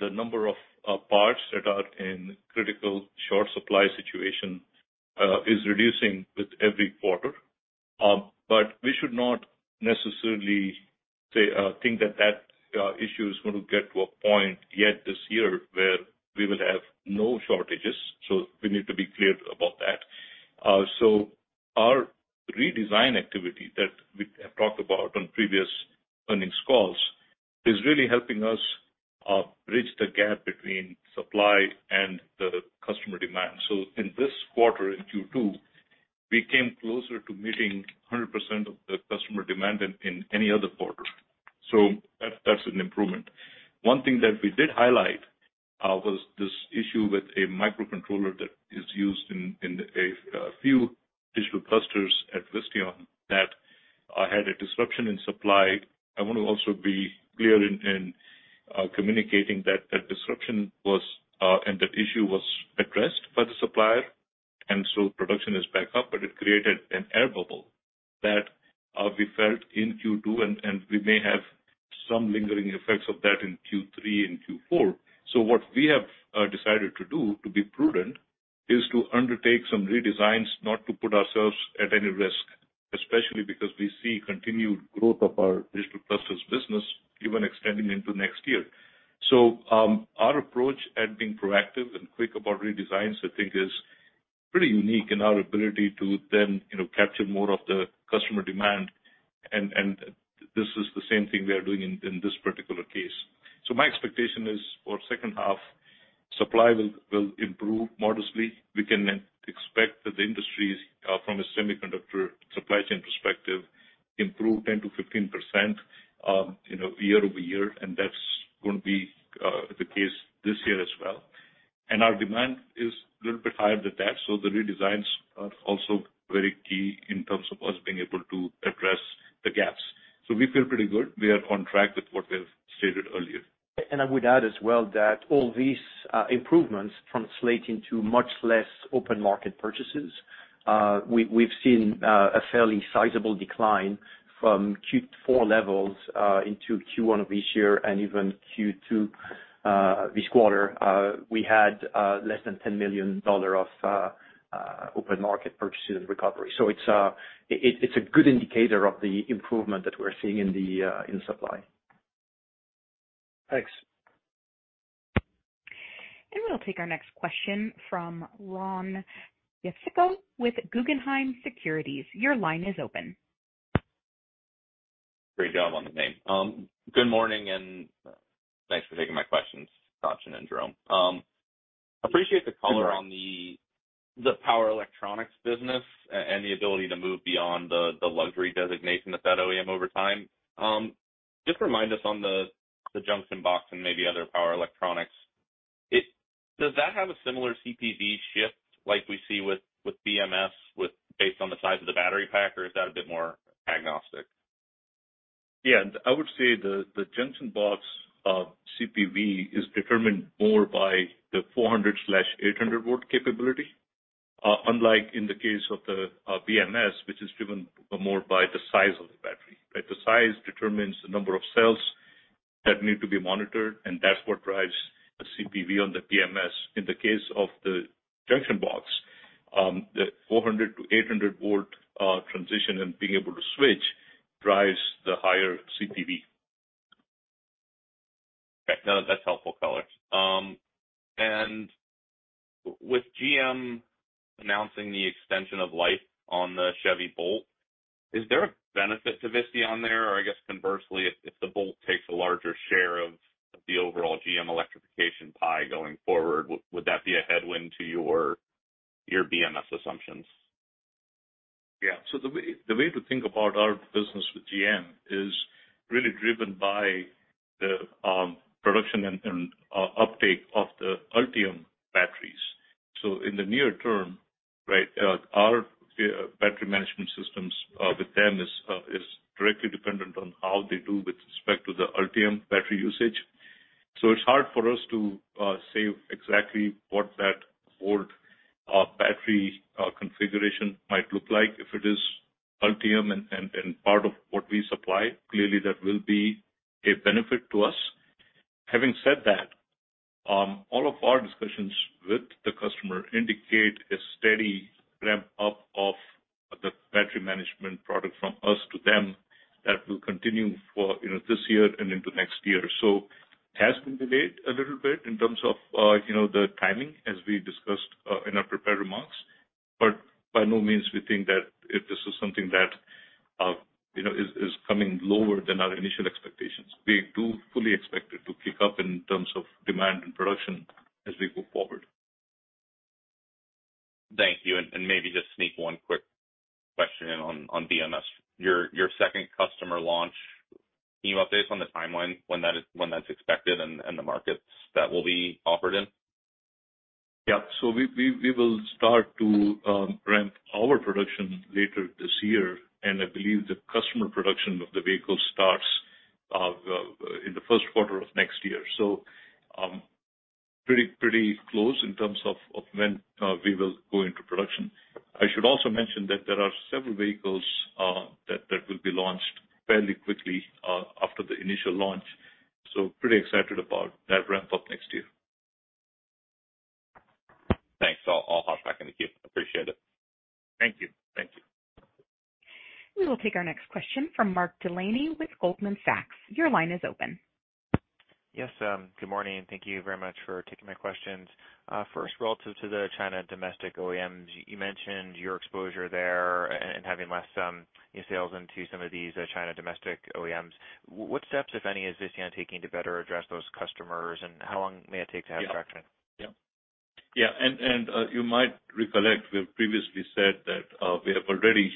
The number of parts that are in critical short supply situation is reducing with every quarter. We should not necessarily say, think that that issue is going to get to a point yet this year where we will have no shortages, we need to be clear about that. Our redesign activity that we have talked about on previous earnings calls is really helping us bridge the gap between supply and the customer demand. In this quarter, in Q2, we came closer to meeting 100% of the customer demand than in any other quarter. That, that's an improvement. One thing that we did highlight, was this issue with a microcontroller that is used in, in a few digital clusters at Visteon that had a disruption in supply. I want to also be clear in communicating that that disruption was and that issue was addressed by the supplier. Production is back up. It created an air bubble that we felt in Q2, and we may have some lingering effects of that in Q3 and Q4. What we have decided to do, to be prudent, is to undertake some redesigns, not to put ourselves at any risk, especially because we see continued growth of our digital clusters business even extending into next year. Our approach at being proactive and quick about redesigns, I think, is pretty unique in our ability to then, you know, capture more of the customer demand, and this is the same thing we are doing in this particular case. My expectation is for second half, supply will improve modestly. We can then expect that the industries, from a semiconductor supply chain perspective, improve 10%-15%, you know, year-over-year, and that's going to be the case this year as well. Our demand is a little bit higher than that, so the redesigns are also very key in terms of us being able to address the gaps. We feel pretty good. We are on track with what we have stated earlier. I would add as well that all these improvements translate into much less open market purchases. We, we've seen a fairly sizable decline from Q4 levels into Q1 of this year and even Q2 this quarter. We had less than $10 million of open market purchases and recovery. It's, it, it's a good indicator of the improvement that we're seeing in the in supply. Thanks. We'll take our next question from Ron Jescico with Guggenheim Securities. Your line is open. Great job on the name. Good morning, thanks for taking my questions, Sachin and Jerome. Appreciate the color Sure. On the power electronics business and the ability to move beyond the luxury designation with that OEM over time. Just remind us on the junction box and maybe other power electronics, does that have a similar CPV shift like we see with BMS, based on the size of the battery pack, or is that a bit more agnostic? Yeah, I would say the junction box of CPV is determined more by the 400/800 volt capability, unlike in the case of the BMS, which is driven more by the size of the battery, right? The size determines the number of cells that need to be monitored, and that's what drives the CPV on the BMS. In the case of the junction box, the 400-800 volt transition and being able to switch drives the higher CPV. Okay, no, that's helpful color. With GM announcing the extension of life on the Chevy Bolt, is there a benefit to Visteon there? I guess conversely, if, if the Bolt takes a larger share of the overall GM electrification pie going forward, would, would that be a headwind to your, your BMS assumptions? Yeah. The way, the way to think about our business with GM is really driven by the production and, and uptake of the Ultium batteries. In the near term, right, our battery management systems with them is directly dependent on how they do with respect to the Ultium battery usage. It's hard for us to say exactly what that volt battery configuration might look like. If it is Ultium and, and, and part of what we supply, clearly that will be a benefit to us. Having said that, all of our discussions with the customer indicate a steady ramp-up of the battery management product from us to them. That will continue for, you know, this year and into next year. It has been delayed a little bit in terms of, you know, the timing as we discussed, in our prepared remarks, but by no means we think that if this is something that, you know, is coming lower than our initial expectations. We do fully expect it to pick up in terms of demand and production as we move forward. Thank you. And maybe just sneak one quick question in on BMS. Your second customer launch, any updates on the timeline when that's expected and the markets that will be offered in? Yeah. So we will start to ramp our production later this year, and I believe the customer production of the vehicle starts in the first quarter of next year. Pretty, pretty close in terms of when we will go into production. I should also mention that there are several vehicles that will be launched fairly quickly after the initial launch, so pretty excited about that ramp up next year. Thanks. I'll hop back in the queue. Appreciate it. Thank you. Thank you. We will take our next question from Mark Delaney with Goldman Sachs. Your line is open. Yes, good morning, and thank you very much for taking my questions. First, relative to the China domestic OEMs, you mentioned your exposure there and, and having less sales into some of these China domestic OEMs. What steps, if any, is Visteon taking to better address those customers, and how long may it take to have traction? Yeah. Yeah, you might recollect, we have previously said that we have already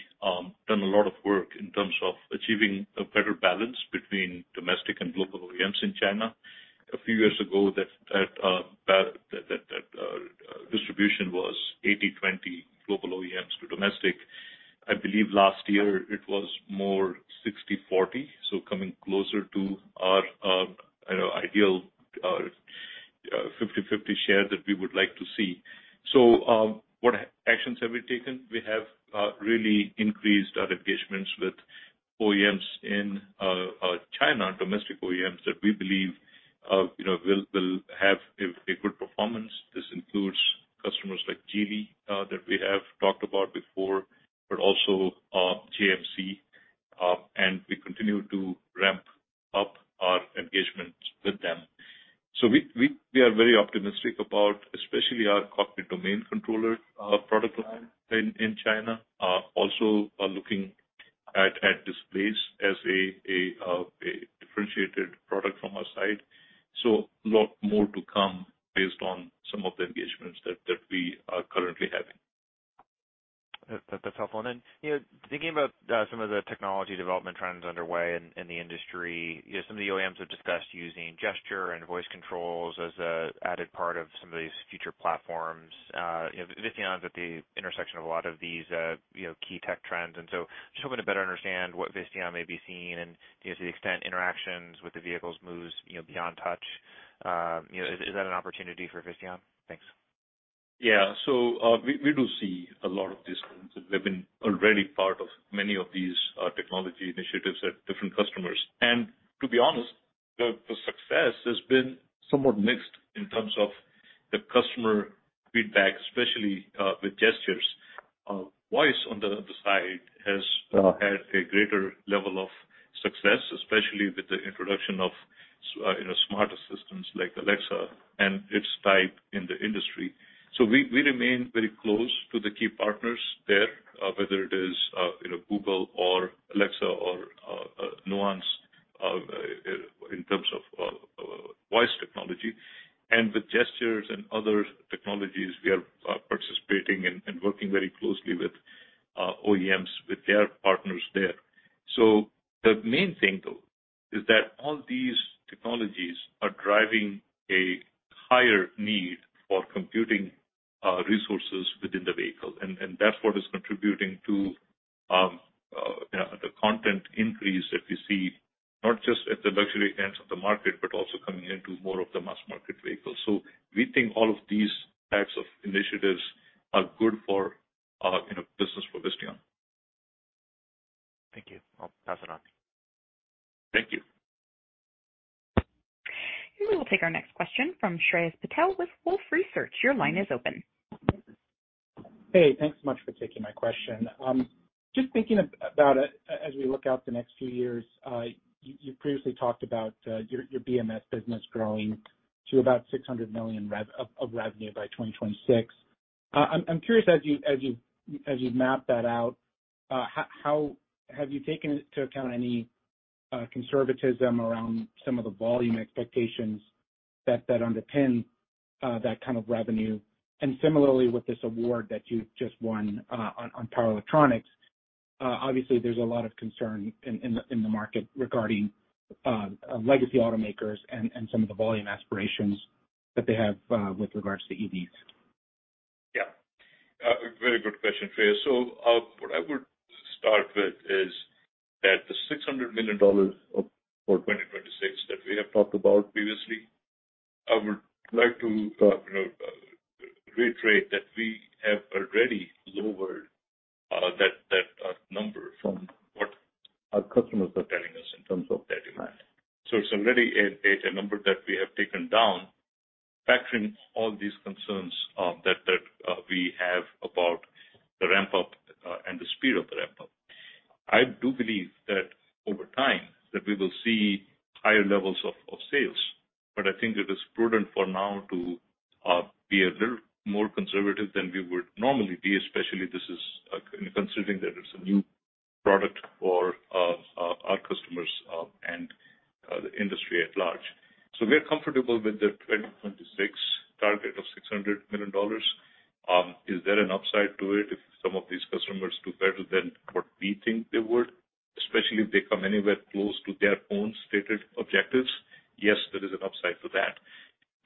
done a lot of work in terms of achieving a better balance between domestic and global OEMs in China. A few years ago, that distribution was 80/20 global OEMs to domestic. I believe last year it was more 60/40, so coming closer to our, you know, ideal 50/50 share that we would like to see. What actions have we taken? We have really increased our engagements with OEMs in China, domestic OEMs, that we believe, you know, will have a good performance. This includes customers like Geely, that we have talked about before, but also GMC, and we continue to ramp up our engagements with them. We are very optimistic about especially our cockpit domain controller, product line in, in China. Also are looking at, at displays as a, a differentiated product from our side. A lot more to come based on some of the engagements that, that we are currently having. That, that's helpful. You know, thinking about, some of the technology development trends underway in, in the industry, you know, some of the OEMs have discussed using gesture and voice controls as a added part of some of these future platforms. You know, Visteon's at the intersection of a lot of these, you know, key tech trends, and so just hoping to better understand what Visteon may be seeing and, you know, to the extent interactions with the vehicles moves, you know, beyond touch, you know is that an opportunity for Visteon? Thanks. Yeah. We, we do see a lot of these trends, and we've been already part of many of these technology initiatives at different customers. To be honest, the success has been somewhat mixed in terms of the customer feedback, especially with gestures. Voice on the other side has had a greater level of success, especially with the introduction of, you know, smarter systems like Alexa and its type in the industry. We, we remain very close to the key partners there, whether it is, you know, Google or Alexa or Nuance in terms of voice technology. With gestures and other technologies, we are participating and working very closely with OEMs, with their partners there. The main thing, though, is that all these technologies are driving a higher need for computing resources within the vehicle, and that's what is contributing to, you know, the content increase that we see, not just at the luxury ends of the market, but also coming into more of the mass market vehicles. We think all of these types of initiatives are good for our, you know, business for Visteon. Thank you. I'll pass it on. Thank you. We will take our next question from Shreyas Patil with Wolfe Research. Your line is open. Hey, thanks so much for taking my question. Just thinking about it as we look out the next few years, you, you previously talked about your BMS business growing to about $600 million of revenue by 2026. I'm, I'm curious, as you, as you, as you map that out, how, have you taken into account any conservatism around some of the volume expectations that, that underpin that kind of revenue? Similarly, with this award that you've just won, on power electronics, obviously there's a lot of concern in the market regarding legacy automakers and some of the volume aspirations that they have with regards to EVs. Yeah. very good question, Shreyas. What I would start with is that the $600 million of, for 2026 that we have talked about previously, I would like to, you know, reiterate that we have already lowered that number from what our customers are telling us in terms of their demand. It's already a number that we have taken down, factoring all these concerns that we have about the ramp up and the speed of the ramp up. I do believe that over time, that we will see higher levels of, of sales, but I think it is prudent for now to be a little more conservative than we would normally be, especially this is considering that it's a new product for our customers, and the industry at large. We're comfortable with the 2026 target of $600 million. Is there an upside to it if some of these customers do better than what we think they would, especially if they come anywhere close to their own stated objectives? Yes, there is an upside to that.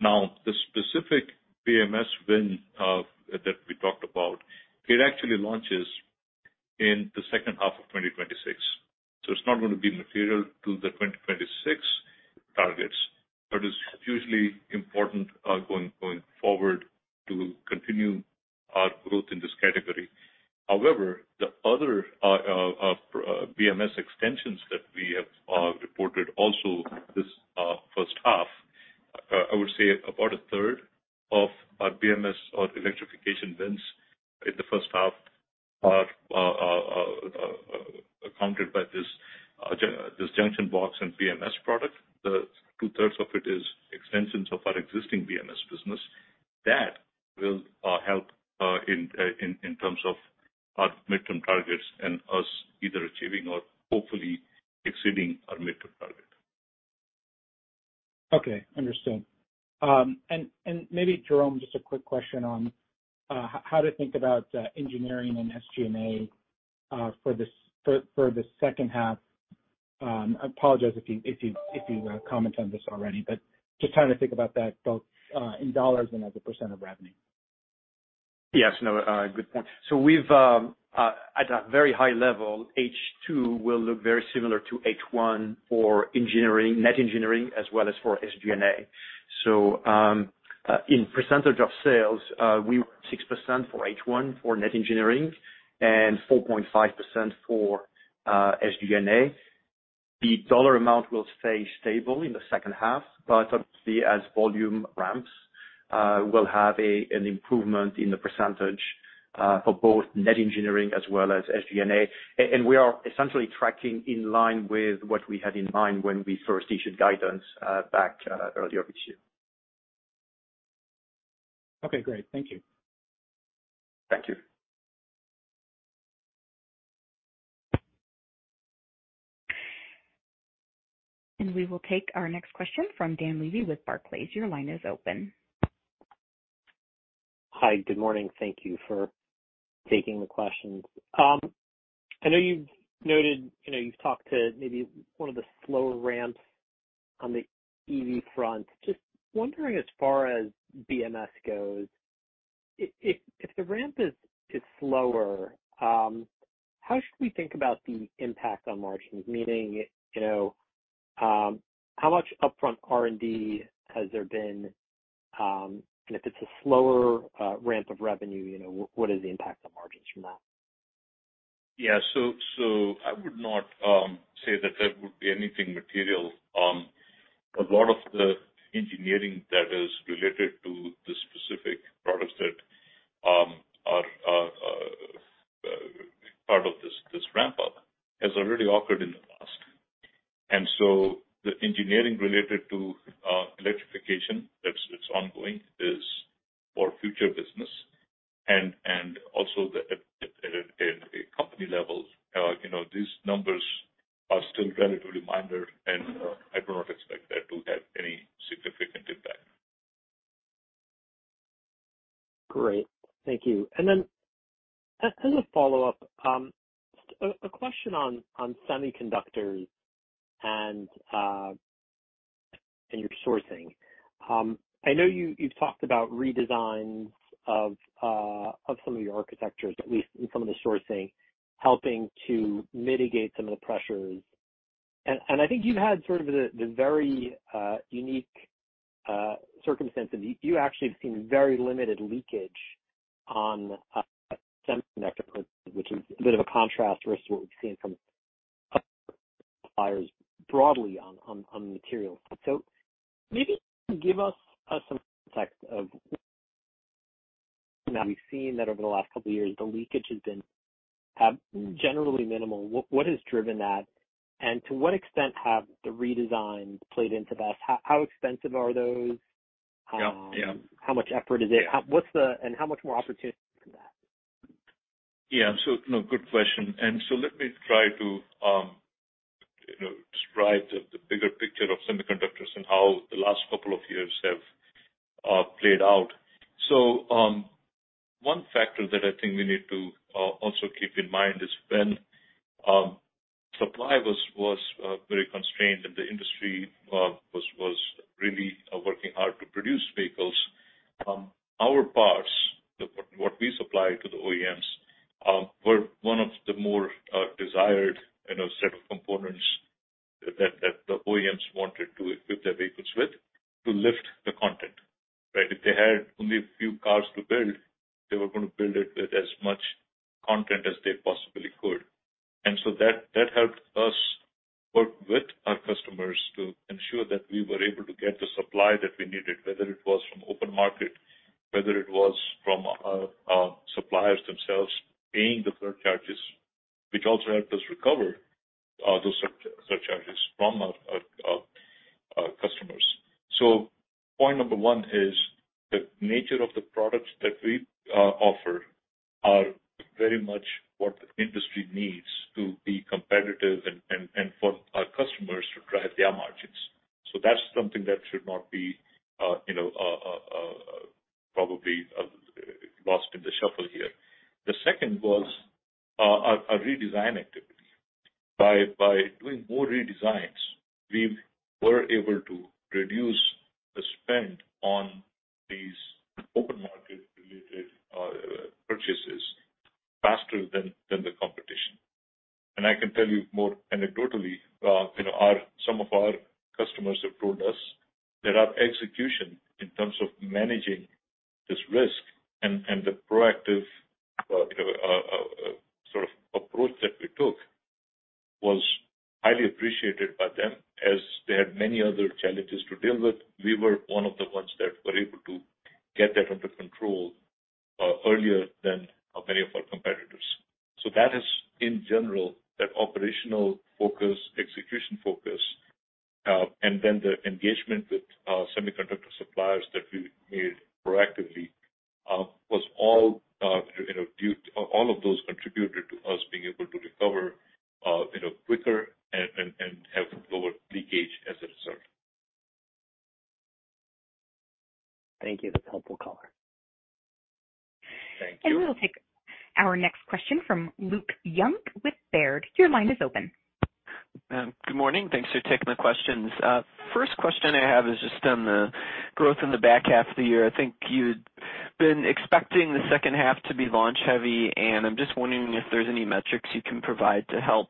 The specific BMS win that we talked about, it actually launches in the second half of 2026. It's not going to be material to the 2026 targets, but it's hugely important, going, going forward to continue our growth in this category. However, the other BMS extensions that we have reported also this first half, I would say about 1/3 of our BMS or electrification wins in the first half are accounted by this junction box and BMS product. The 2/3 of it is extensions of our existing BMS business. That will help in, in, in terms of our midterm targets and us either achieving or hopefully exceeding our midterm target. Okay, understood. And, and maybe, Jerome, just a quick question on h-how to think about engineering and SG&A for this, for, for the second half. I apologize if you, if you, if you commented on this already, but just trying to think about that, both in dollars and as a percent of revenue. Yes. No, good point. We've at a very high level, H2 will look very similar to H1 for engineering, net engineering as well as for SG&A. In percentage of sales, we were at 6% for H1 for net engineering and 4.5% for SG&A. The dollar amount will stay stable in the second half, but obviously, as volume ramps, we'll have an improvement in the percentage for both net engineering as well as SG&A. We are essentially tracking in line with what we had in mind when we first issued guidance back earlier this year. Okay, great. Thank you. Thank you. We will take our next question from Dan Levy with Barclays. Your line is open. Hi, good morning. Thank you for taking the questions. I know you've noted, you know, you've talked to maybe one of the slower ramps on the EV front. Just wondering, as far as BMS goes if the ramp is, is slower, how should we think about the impact on margins? Meaning, you know, how much upfront R&D has there been? And if it's a slower, ramp of revenue, you know, what is the impact on margins from that? Yeah. So I would not say that there would be anything material. A lot of the engineering that is related to the specific products that are part of this, this ramp up, has already occurred in the past. The engineering related to electrification, that's, it's ongoing, is for future business and also the, at a company level, you know, these numbers are still relatively minor, and I do not expect that to have any significant impact. Great. Thank you. Then as a follow-up, a question on semiconductors and your sourcing. I know you've talked about redesigns of some of your architectures, at least in some of the sourcing, helping to mitigate some of the pressures. I think you've had sort of the very unique circumstance that you actually have seen very limited leakage on semiconductor, which is a bit of a contrast versus what we've seen from other suppliers broadly on materials. Maybe give us some context of we've seen that over the last couple of years, the leakage has been generally minimal. What has driven that, and to what extent have the redesigns played into this? How extensive are those? Yeah. Yeah. how much effort is it? How, what's the and how much more opportunity is that? Yeah. No, good question. Let me try to, you know, describe the bigger picture of semiconductors and how the last couple of years have played out. One factor that I think we need to also keep in mind is when supply was very constrained and the industry was really working hard to produce vehicles, our parts, what we supply to the OEMs, were one of the more, desired, you know, set of components that the OEMs wanted to equip their vehicles with to lift the content, right? If they had only a few cars to build, they were going to build it with as much content as they possibly could. That, that helped us work with our customers to ensure that we were able to get the supply that we needed, whether it was from open market, whether it was from suppliers themselves, paying the surcharges, which also helped us recover those surcharges from our customers. Point number one is, the nature of the products that we offer are very much what the industry needs to be competitive and, and, and for our customers to drive their margins. That's something that should not be, you know, probably lost in the shuffle here. The second was our, our redesign activity. By doing more redesigns, we were able to reduce the spend on these open market related purchases faster than, than the competition. I can tell you more anecdotally, you know, some of our customers have told us that our execution in terms of managing this risk and the proactive, you know, sort of approach that we took was highly appreciated by them as they had many other challenges to deal with. We were one of the ones that were able to get that under control earlier than many of our competitors. That is, in general, that operational focus, execution focus, and then the engagement with semiconductor suppliers that we made proactively, was all, you know, all of those contributed to us being able to recover, you know, quicker and have lower leakage as a result. Thank you. That's helpful, color. Thank you. We'll take our next question from Luke Young with Baird. Your line is open. Good morning. Thanks for taking my questions. First question I have is just on the growth in the back half of the year. I think you'd been expecting the second half to be launch heavy. I'm just wondering if there's any metrics you can provide to help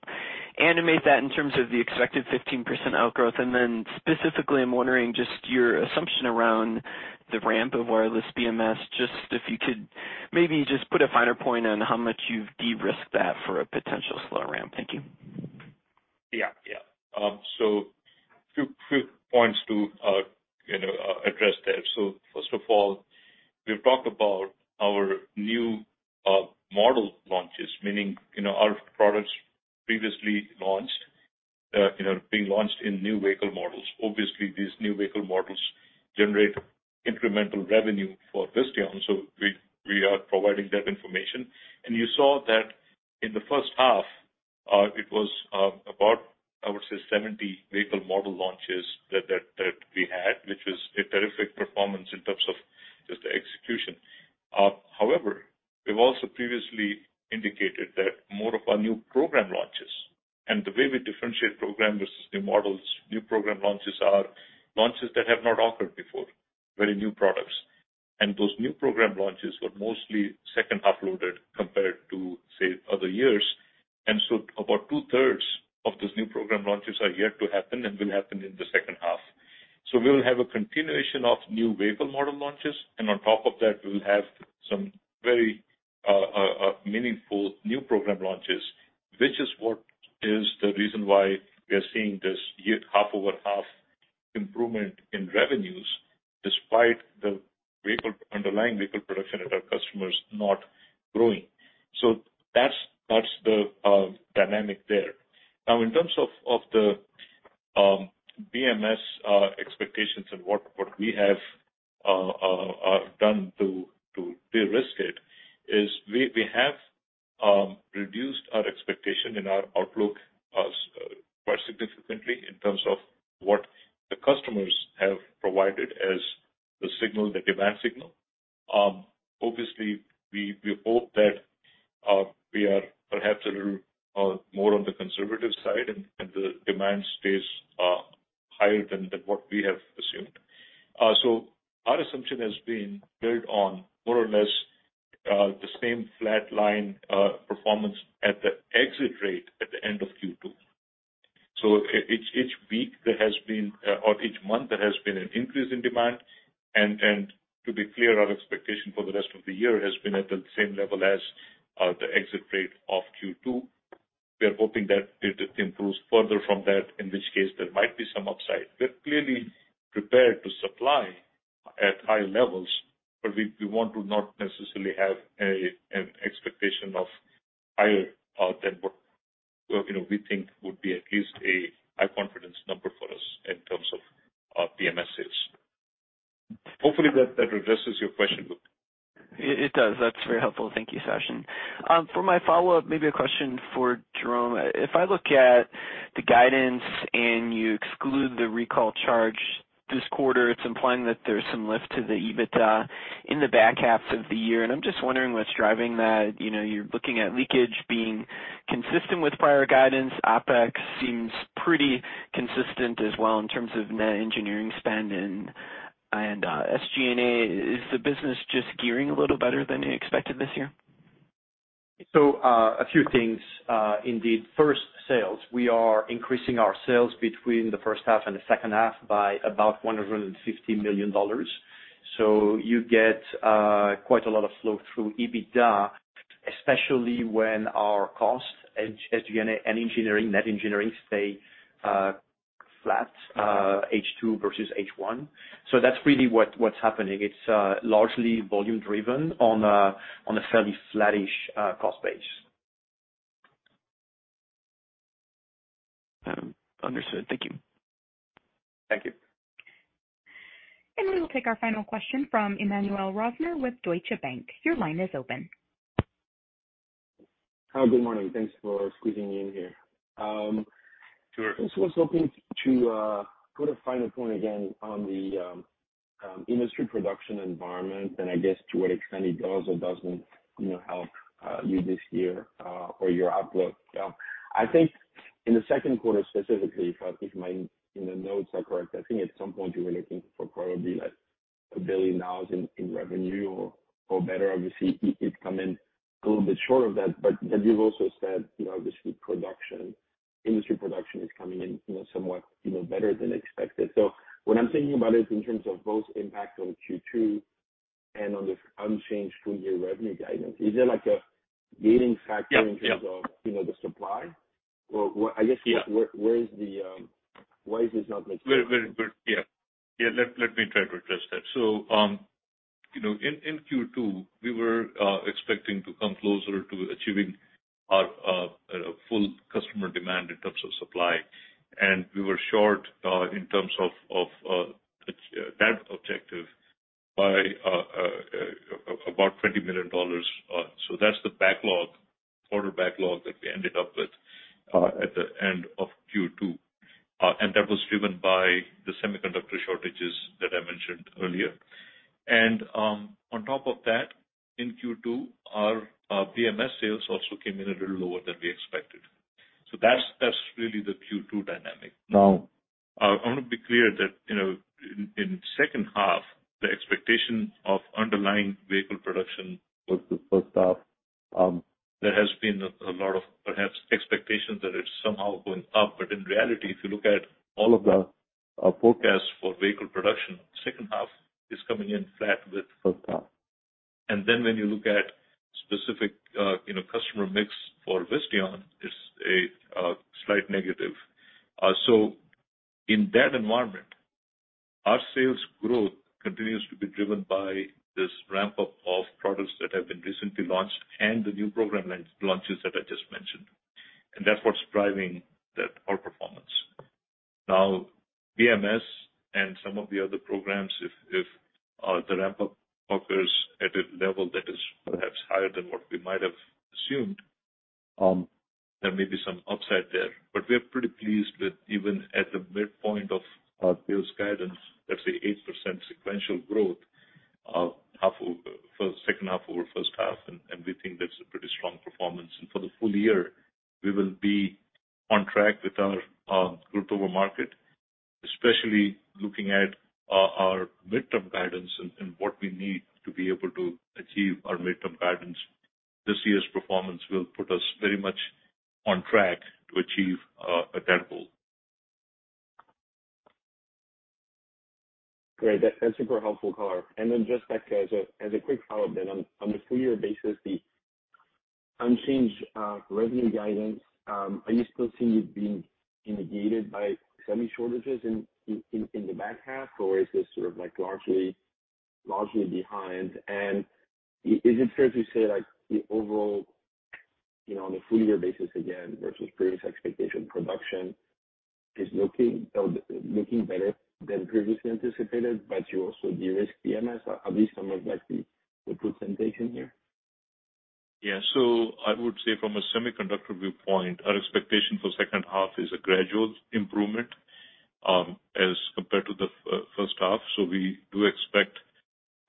animate that in terms of the expected 15% outgrowth. Specifically, I'm wondering just your assumption around the ramp of wireless BMS. Just if you could maybe just put a finer point on how much you've de-risked that for a potential slow ramp. Thank you. Yeah. Yeah. two two points to, you know, address there. First of all, we've talked about our new, model launches, meaning, you know, our products previously launched, you know, being launched in new vehicle models. Obviously, these new vehicle models generate incremental revenue for Visteon, so we, we are providing that information. You saw that in the first half, it was, about, I would say, 70 vehicle model launches that, that, that we had, which was a terrific performance in terms of just the execution. However, we've also previously indicated that more of our new program launches and the way we differentiate program versus new models, new program launches are launches that have not occurred before, very new products. Those new program launches were mostly second half loaded compared to, say, other years. About two-thirds of those new program launches are yet to happen and will happen in the second half. We will have a continuation of new vehicle model launches, and on top of that, we'll have some very meaningful new program launches, which is what is the reason why we are seeing this year, half over half improvement in revenues despite the vehicle, underlying vehicle production at our customers not growing. That's, that's the dynamic there. Now, in terms of, of the BMS expectations and what we have done to de-risk it, is we have reduced our expectation in our outlook quite significantly in terms of what the customers have provided as the signal, the demand signal. Um, obviously, we, we hope that, uh, we are perhaps a little, uh, more on the conservative side and, and the demand stays, uh, higher than what we have assumed. Uh, so our assumption has been built on more or less, uh, the same flatline, uh, performance at the exit rate at the end of Q2. So each, each week there has been, uh, or each month, there has been an increase in demand. And, and to be clear, our expectation for the rest of the year has been at the same level as, uh, the exit rate of Q2. We are hoping that it improves further from that, in which case there might be some upside. We're clearly prepared to supply at high levels, but we, we want to not necessarily have a, an expectation of higher, than what, you know, we think would be at least a high confidence number for us in terms of, BMS sales. Hopefully, that addresses your question, Luke. It does. That's very helpful. Thank you, Sachin. For my follow-up, maybe a question for Jerome. If I look at the guidance and you exclude the recall charge this quarter, it's implying that there's some lift to the EBITDA in the back half of the year. I'm just wondering what's driving that. You know, you're looking at leakage being consistent with prior guidance. OpEx seems pretty consistent as well in terms of net engineering spend and, and SG&A. Is the business just gearing a little better than you expected this year? A few things. Indeed, first, sales. We are increasing our sales between the first half and the second half by about $150 million. You get quite a lot of flow through EBITDA, especially when our costs, SG&A and engineering, net engineering, stay flat H2 versus H1. That's really what, what's happening. It's largely volume driven on a fairly flattish cost base. Understood. Thank you. Thank you. We will take our final question from Emmanuel Rosner with Deutsche Bank. Your line is open. Hi, good morning. Thanks for squeezing me in here. I was also looking to put a final point again on the industry production environment, and I guess to what extent it does or doesn't, you know, help you this year or your outlook. I think in the second quarter specifically, if I, if my, you know, notes are correct, I think at some point you were looking for probably like $1 billion in, in revenue or, or better. Obviously, it, it come in a little bit short of that. You've also said, you know, obviously, production, industry production is coming in, you know, somewhat, you know, better than expected. What I'm thinking about is in terms of both impact on Q2 and on the unchanged full year revenue guidance, is there like a gaining factor- Yeah, yeah. In terms of, you know, the supply? What I guess Yeah. Where, where is the, why is this not the case? Very good. Yeah, yeah, let me try to address that. You know, in Q2, we were expecting to come closer to achieving our full customer demand in terms of supply. We were short in terms of that objective by about $20 million. That's the backlog, order backlog that we ended up with at the end of Q2. That was driven by the semiconductor shortages that I mentioned earlier. On top of that, in Q2, our BMS sales also came in a little lower than we expected. That's, that's really the Q2 dynamic. Now, I want to be clear that, you know, in second half, the expectation of underlying vehicle production was the first half. There has been a lot of perhaps expectations that it's somehow going up, but in reality, if you look at all of the forecasts for vehicle production, second half is coming in flat with first half. When you look at specific, you know, customer mix for Visteon, it's a slight negative. In that environment, our sales growth continues to be driven by this ramp-up of products that have been recently launched and the new program launches that I just mentioned, and that's what's driving that, our performance. Now, BMS and some of the other programs, if, if the ramp-up occurs at a level that is perhaps higher than what we might have assumed, there may be some upside there. We're pretty pleased with even at the midpoint of our sales guidance, that's an 8% sequential growth of half over for second half over first half, and we think that's a pretty strong performance. For the full year, we will be on track with our growth over market, especially looking at our midterm guidance and what we need to be able to achieve our midterm guidance. This year's performance will put us very much on track to achieve that goal. Great. That's, that's super helpful, color. Then just as a, as a quick follow-up then on a full year basis, the unchanged, revenue guidance, are you still seeing it being indicated by semi shortages in, in, in the second half, or is this sort of like largely, largely behind? And is it fair to say, like, the overall, you know, on a full year basis, again, versus previous expectation, production is looking, looking better than previously anticipated, but you also de-risk BMS, at least some of, like, the presentation here? I would say from a semiconductor viewpoint, our expectation for second half is a gradual improvement, as compared to the first half. We do expect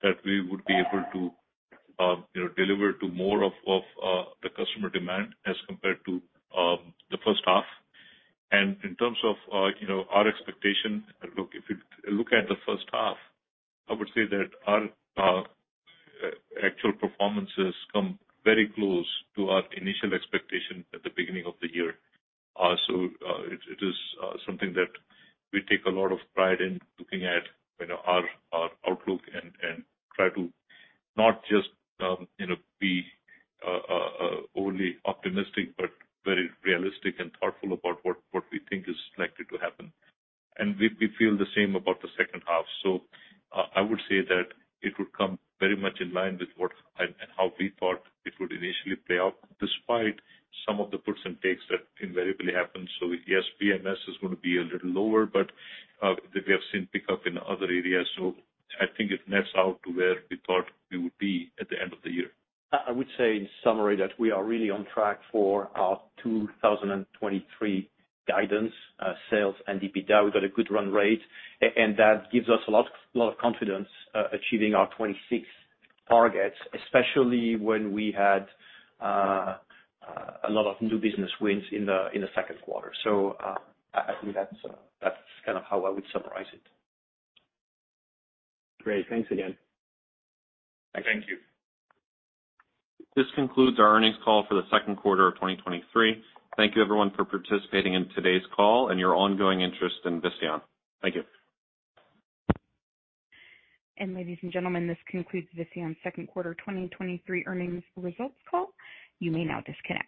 that we would be able to, you know, deliver to more of the customer demand as compared to the first half. In terms of, you know, our expectation, if you look at the first half, I would say that our actual performances come very close to our initial expectation at the beginning of the year. It is something that we take a lot of pride in looking at, you know, our outlook and try to not just, you know, be only optimistic, but very realistic and thoughtful about what we think is likely to happen. We, we feel the same about the second half. I would say that it would come very much in line with what and how we thought it would initially play out, despite some of the puts and takes that invariably happen. Yes, BMS is going to be a little lower, but we have seen pickup in other areas, so I think it nets out to where we thought we would be at the end of the year. I would say in summary, that we are really on track for our 2023 guidance, sales and EBITDA. We've got a good run rate, and that gives us a lot, a lot of confidence, achieving our 2026 targets, especially when we had a lot of new business wins in the second quarter. I think that's that's kind of how I would summarize it. Great. Thanks again. Thank you. This concludes our earnings call for the second quarter of 2023. Thank you, everyone, for participating in today's call and your ongoing interest in Visteon. Thank you. Ladies and gentlemen, this concludes Visteon's second quarter 2023 earnings results call. You may now disconnect.